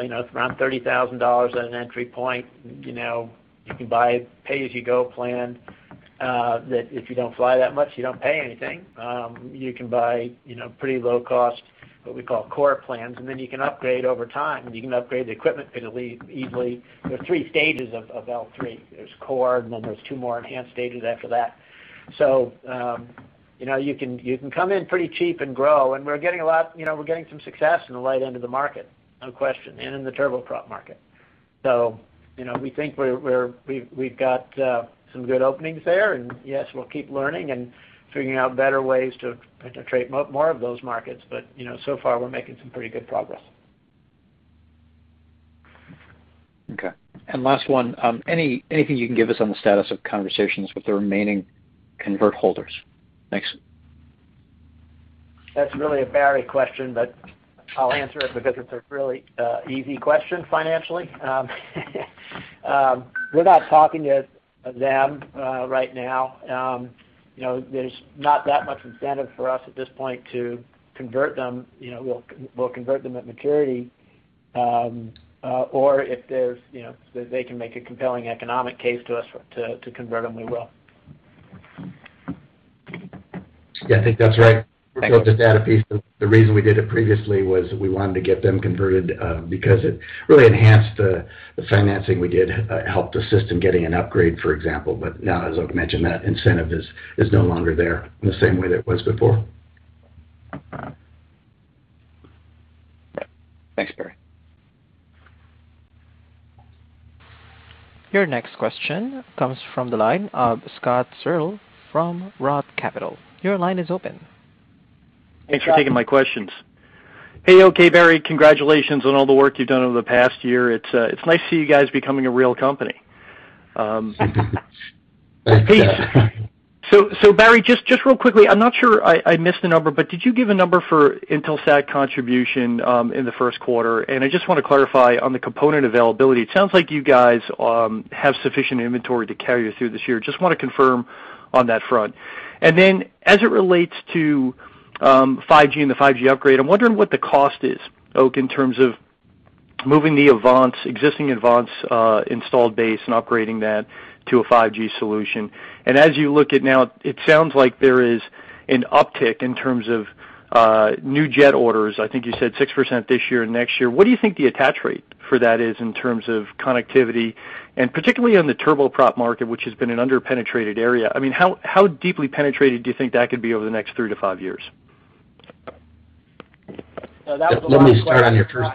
You know, it's around $30,000 at an entry point. You know, you can buy pay-as-you-go plan that if you don't fly that much, you don't pay anything. You can buy, you know, pretty low cost, what we call core plans, and then you can upgrade over time. You can upgrade the equipment easily. There are three stages of AVANCE L3. There's core, and then there's two more enhanced stages after that. You know, you can come in pretty cheap and grow. You know, we're getting some success in the light end of the market, no question, and in the turboprop market. You know, we think we're we've got some good openings there. Yes, we'll keep learning and figuring out better ways to penetrate more of those markets. You know, so far, we're making some pretty good progress. Okay. Last one, anything you can give us on the status of conversations with the remaining convert holders? Thanks. That's really a Barry question, but I'll answer it because it's a really easy question financially. We're not talking to them right now. You know, there's not that much incentive for us at this point to convert them. You know, we'll convert them at maturity. If there's, you know, if they can make a compelling economic case to us to convert them, we will. Yeah, I think that's right. Thanks. We built this debt piece. The reason we did it previously was we wanted to get them converted, because it really enhanced the financing we did, helped assist in getting an upgrade, for example. Now, as Oak mentioned, that incentive is no longer there in the same way that it was before. Thanks, Barry. Your next question comes from the line of Scott Searle from Roth Capital. Your line is open. Thanks for taking my questions. Hey, Oak, Barry. Congratulations on all the work you've done over the past year. It's nice to see you guys becoming a real company. Thanks. Barry, just real quickly, I'm not sure I missed the number, but did you give a number for Intelsat contribution in the Q1? I just wanna clarify on the component availability. It sounds like you guys have sufficient inventory to carry you through this year. Just wanna confirm on that front. As it relates to 5G and the 5G upgrade, I'm wondering what the cost is, Oak, in terms of moving the AVANCE, existing AVANCE, installed base and upgrading that to a 5G solution. As you look at now, it sounds like there is an uptick in terms of new jet orders. I think you said 6% this year and next year. What do you think the attach rate for that is in terms of connectivity, and particularly on the turboprop market, which has been an under-penetrated area? I mean, how deeply penetrated do you think that could be over the next three to five years? That was a long question, Scott. Let me start on your first-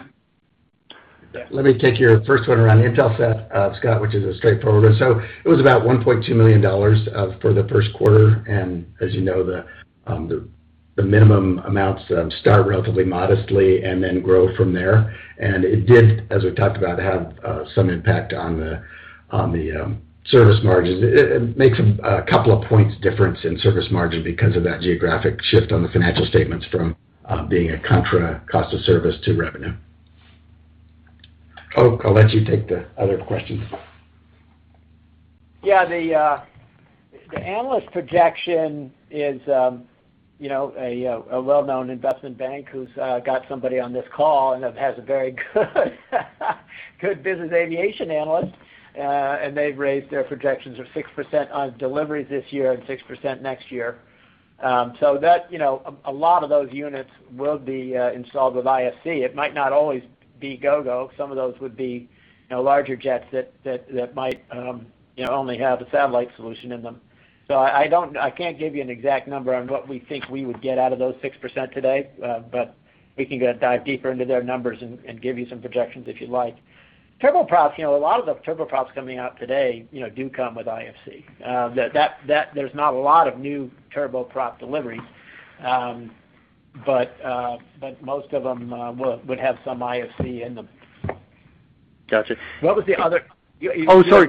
Yeah. Let me take your first one around Intelsat, Scott, which is a straightforward one. It was about $1.2 million for the Q1. As you know, the minimum amounts start relatively modestly and then grow from there. It did, as we talked about, have some impact on the service margins. It makes a couple of points difference in service margin because of that geographic shift on the financial statements from being a contra cost of service to revenue. Oak, I'll let you take the other questions. The analyst projection is, you know, a well-known investment bank who's got somebody on this call and has a very good business aviation analyst. They've raised their projections of 6% on deliveries this year and 6% next year. That, you know, a lot of those units will be installed with IFC. It might not always be Gogo. Some of those would be, you know, larger jets that might, you know, only have a satellite solution in them. I can't give you an exact number on what we think we would get out of those 6% today, but we can go dive deeper into their numbers and give you some projections if you'd like. Turboprops, you know, a lot of the turboprops coming out today, you know, do come with IFC. That there's not a lot of new turboprop deliveries. Most of them would have some IFC in them. Gotcha. What was the other- Oh, sorry.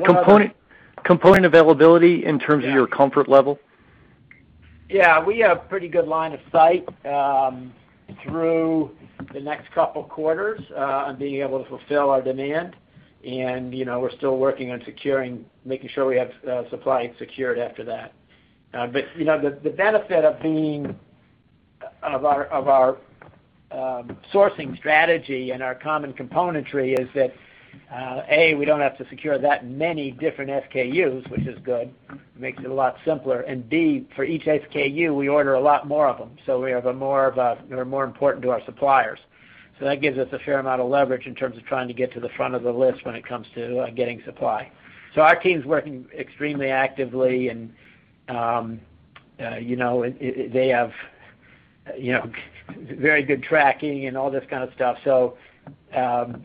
Component availability in terms of your comfort level. Yeah, we have pretty good line of sight through the next couple quarters on being able to fulfill our demand. You know, we're still working on securing, making sure we have supply secured after that. But, you know, the benefit of being of our sourcing strategy and our common componentry is that A, we don't have to secure that many different SKUs, which is good. Makes it a lot simpler. B, for each SKU, we order a lot more of them, so we're more important to our suppliers. That gives us a fair amount of leverage in terms of trying to get to the front of the list when it comes to getting supply. Our team's working extremely actively and, you know, they have, you know, very good tracking and all this kind of stuff.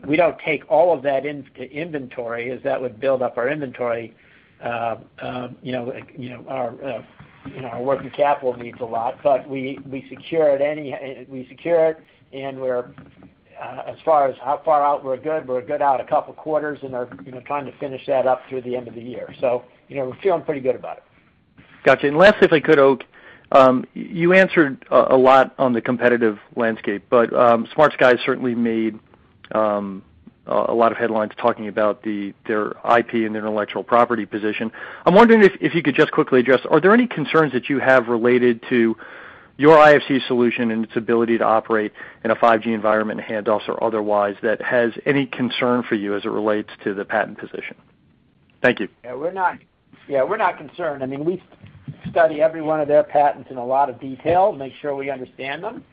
We don't take all of that in-inventory as that would build up our inventory, you know, like, you know, our, you know, our working capital needs a lot. We secure it, and we're as far as how far out we're good, we're good out a couple quarters, and are, you know, trying to finish that up through the end of the year. You know, we're feeling pretty good about it. Gotcha. Last, if I could, Oak. You answered a lot on the competitive landscape. SmartSky certainly made a lot of headlines talking about their IP and intellectual property position. I'm wondering if you could just quickly address, are there any concerns that you have related to your IFC solution and its ability to operate in a 5G environment, handoffs or otherwise, that has any concern for you as it relates to the patent position? Thank you. We're not concerned. I mean, we study every one of their patents in a lot of detail, make sure we understand them,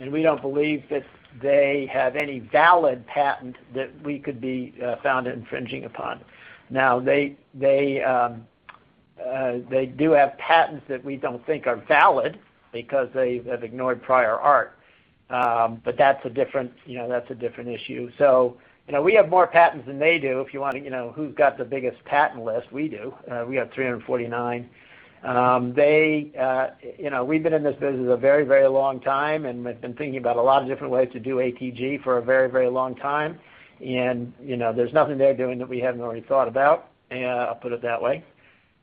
and we don't believe that they have any valid patent that we could be found infringing upon. They do have patents that we don't think are valid because they have ignored prior art, but that's a different, you know, that's a different issue. You know, we have more patents than they do. If you wanna you know, who's got the biggest patent list, we do. We have 349. You know, we've been in this business a very, very long time, and we've been thinking about a lot of different ways to do ATG for a very, very long time. You know, there's nothing they're doing that we haven't already thought about. I'll put it that way.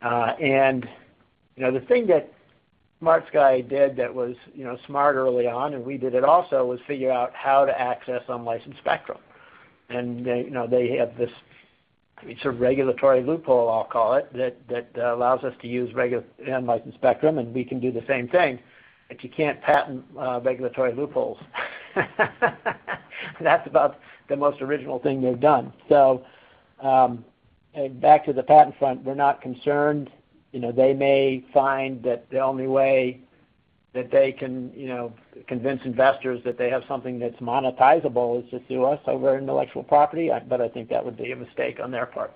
You know, the thing that SmartSky did that was, you know, smart early on, and we did it also, was figure out how to access unlicensed spectrum. They, you know, they have this sort of regulatory loophole, I'll call it, that allows us to use unlicensed spectrum, and we can do the same thing. You can't patent regulatory loopholes. That's about the most original thing they've done. Back to the patent front, we're not concerned. You know, they may find that the only way that they can, you know, convince investors that they have something that's monetizable is to sue us over intellectual property. I think that would be a mistake on their part.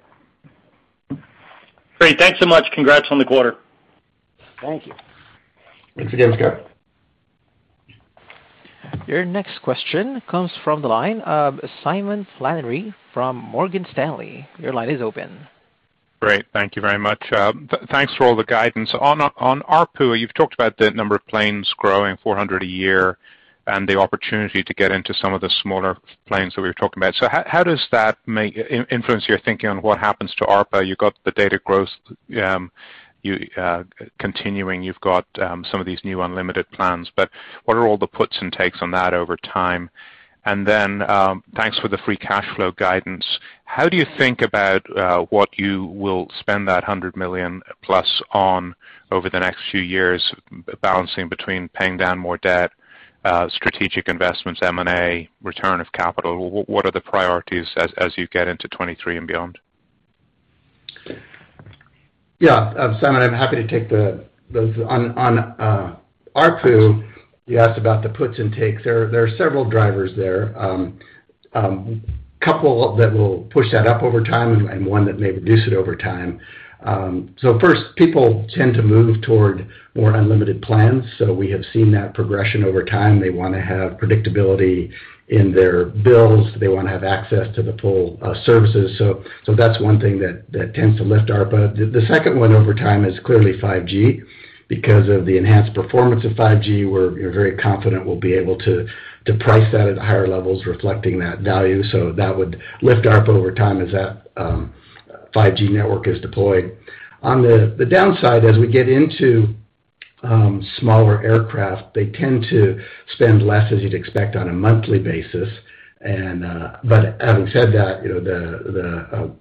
Great. Thanks so much. Congrats on the quarter. Thank you. Thanks again, Scott. Your next question comes from the line of Simon Flannery from Morgan Stanley. Your line is open. Great. Thank you very much. Thanks for all the guidance. On ARPU, you've talked about the number of planes growing 400 a year and the opportunity to get into some of the smaller planes that we were talking about. How does that influence your thinking on what happens to ARPU? You've got the data growth continuing. You've got some of these new unlimited plans, what are all the puts and takes on that over time? Thanks for the free cash flow guidance. How do you think about what you will spend that $100 million plus on over the next few years, balancing between paying down more debt, strategic investments, M&A, return of capital? What are the priorities as you get into 2023 and beyond? Yeah, Simon, I'm happy to take those. On ARPU, you asked about the puts and takes. There are several drivers there. Couple that will push that up over time and one that may reduce it over time. First, people tend to move toward more unlimited plans. We have seen that progression over time. They wanna have predictability in their bills. They wanna have access to the full services. That's one thing that tends to lift ARPU. The second one over time is clearly 5G. Because of the enhanced performance of 5G, we're very confident we'll be able to price that at higher levels reflecting that value. That would lift ARPU over time as that 5G network is deployed. On the downside, as we get into smaller aircraft, they tend to spend less, as you'd expect, on a monthly basis. Having said that, you know,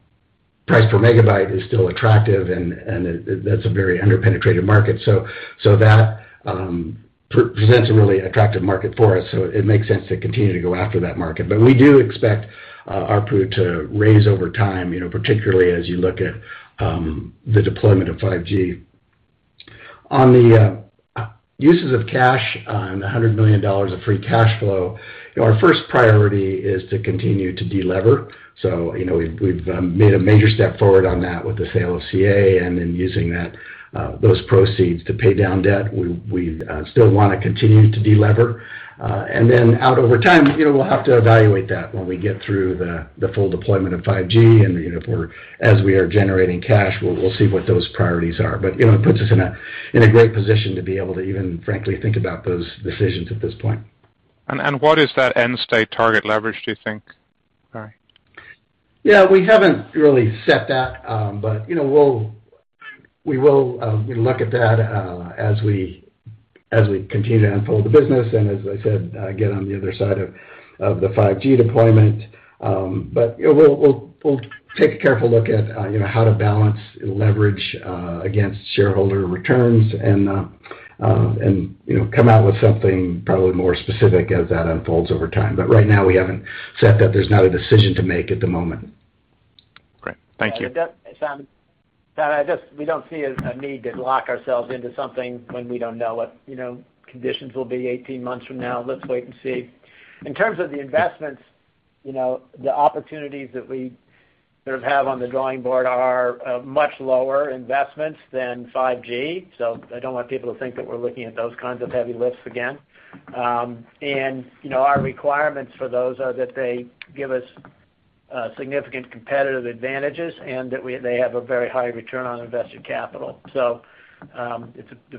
the price per megabyte is still attractive and that's a very under-penetrated market. That presents a really attractive market for us, it makes sense to continue to go after that market. We do expect ARPU to raise over time, you know, particularly as you look at the deployment of 5G. On the uses of cash and $100 million of free cash flow, you know, our first priority is to continue to de-lever. You know, we've made a major step forward on that with the sale of CA using those proceeds to pay down debt. We still wanna continue to de-lever. Out over time, you know, we'll have to evaluate that when we get through the full deployment of Gogo 5G and, you know, for as we are generating cash, we'll see what those priorities are. You know, it puts us in a great position to be able to even frankly think about those decisions at this point. What is that end state target leverage, do you think, Barry? Yeah, we haven't really set that, But, you know, we will, you know, look at that as we, as we continue to unfold the business and, as I said, get on the other side of the 5G deployment. But, you know, we'll take a careful look at, you know, how to balance leverage against shareholder returns and, you know, come out with something probably more specific as that unfolds over time. But right now, we haven't set that. There's not a decision to make at the moment. Great. Thank you. That, Simon, we don't see a need to lock ourselves into something when we don't know what, you know, conditions will be 18 months from now. Let's wait and see. In terms of the investments, you know, the opportunities that we sort of have on the drawing board are much lower investments than 5G. I don't want people to think that we're looking at those kinds of heavy lifts again. You know, our requirements for those are that they give us significant competitive advantages and that they have a very high return on invested capital. It's a,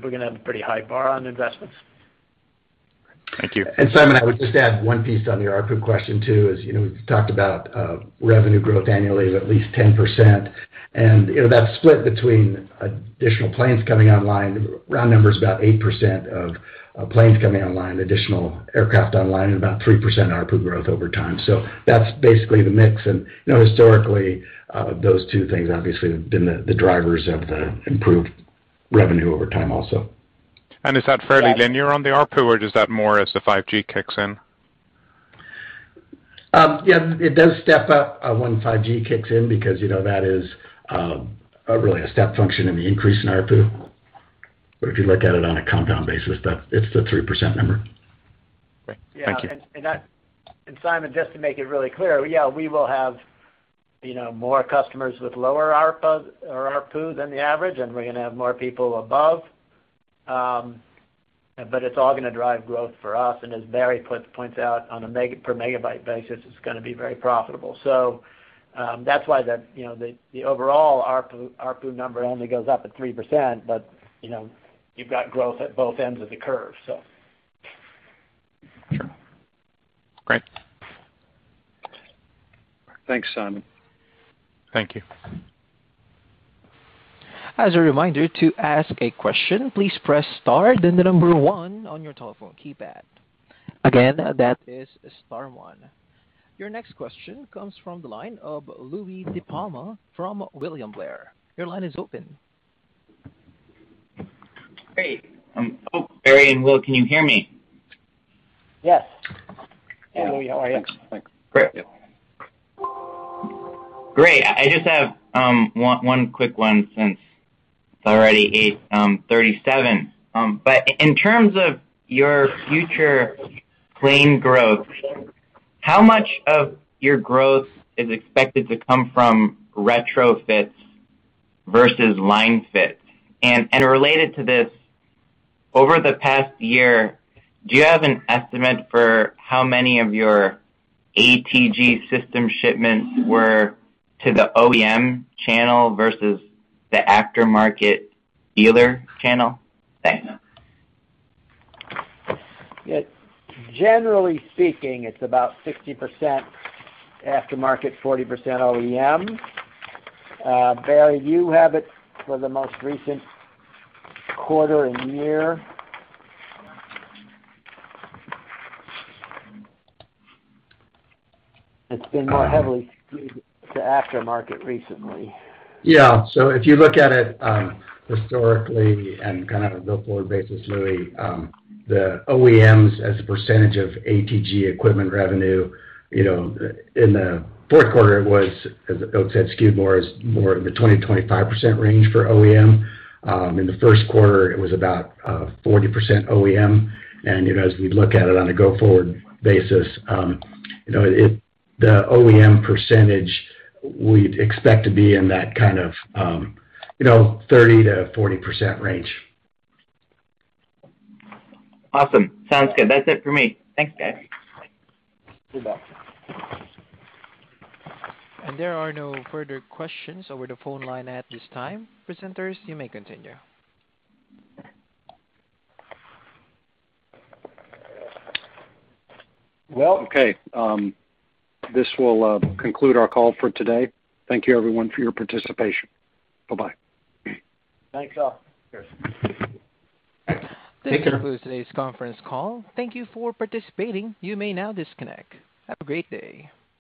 we're gonna have a pretty high bar on investments. Thank you. Simon, I would just add one piece on the ARPU question, too, you know, we've talked about revenue growth annually of at least 10%. You know, that's split between additional planes coming online. Round number's about 8% of planes coming online, additional aircraft online, and about 3% ARPU growth over time. That's basically the mix. You know, historically, those two things obviously have been the drivers of the improved revenue over time also. Is that fairly linear on the ARPU, or is that more as the 5G kicks in? Yeah, it does step up when 5G kicks in because, you know, that is really a step function in the increase in ARPU. If you look at it on a compound basis, it's the 3% number. Great. Thank you. Simon, just to make it really clear, we will have, you know, more customers with lower ARPU or ARPU than the average, and we're gonna have more people above. It's all gonna drive growth for us. As Barry points out, on a per megabyte basis, it's gonna be very profitable. That's why the, you know, the overall ARPU number only goes up at 3%. You know, you've got growth at both ends of the curve. Sure. Great. Thanks, Simon. Thank you. Your next question comes from the line of Louie DiPalma from William Blair. Great. oh, Barry and Will, can you hear me? Yes. Yeah. Louie, how are you? Thanks. Great. Great. I just have one quick one since it's already 8:37. In terms of your future plane growth, how much of your growth is expected to come from retrofits versus line fits? Related to this, over the past year, do you have an estimate for how many of your ATG system shipments were to the OEM channel versus the aftermarket dealer channel? Thanks. Yeah. Generally speaking, it's about 60% aftermarket, 40% OEM. Barry, you have it for the most recent quarter and year. It's been more heavily skewed to aftermarket recently. Yeah. If you look at it, historically and kind of a go-forward basis, Louie, the OEMs as a percentage of ATG equipment revenue, you know, in the 4th quarter, it was, as Oakleigh said, skewed more as more in the 20%-25% range for OEM. In the 1st quarter, it was about 40% OEM. As we look at it on a go-forward basis, you know, it, the OEM percentage, we'd expect to be in that kind of, you know, 30%-40% range. Awesome. Sounds good. That's it for me. Thanks, guys. You bet. There are no further questions over the phone line at this time. Presenters, you may continue. Okay. This will conclude our call for today. Thank you everyone for your participation. Bye-bye. Thanks, all. Cheers. Take care. This concludes today's conference call. Thank you for participating. You may now disconnect. Have a great day.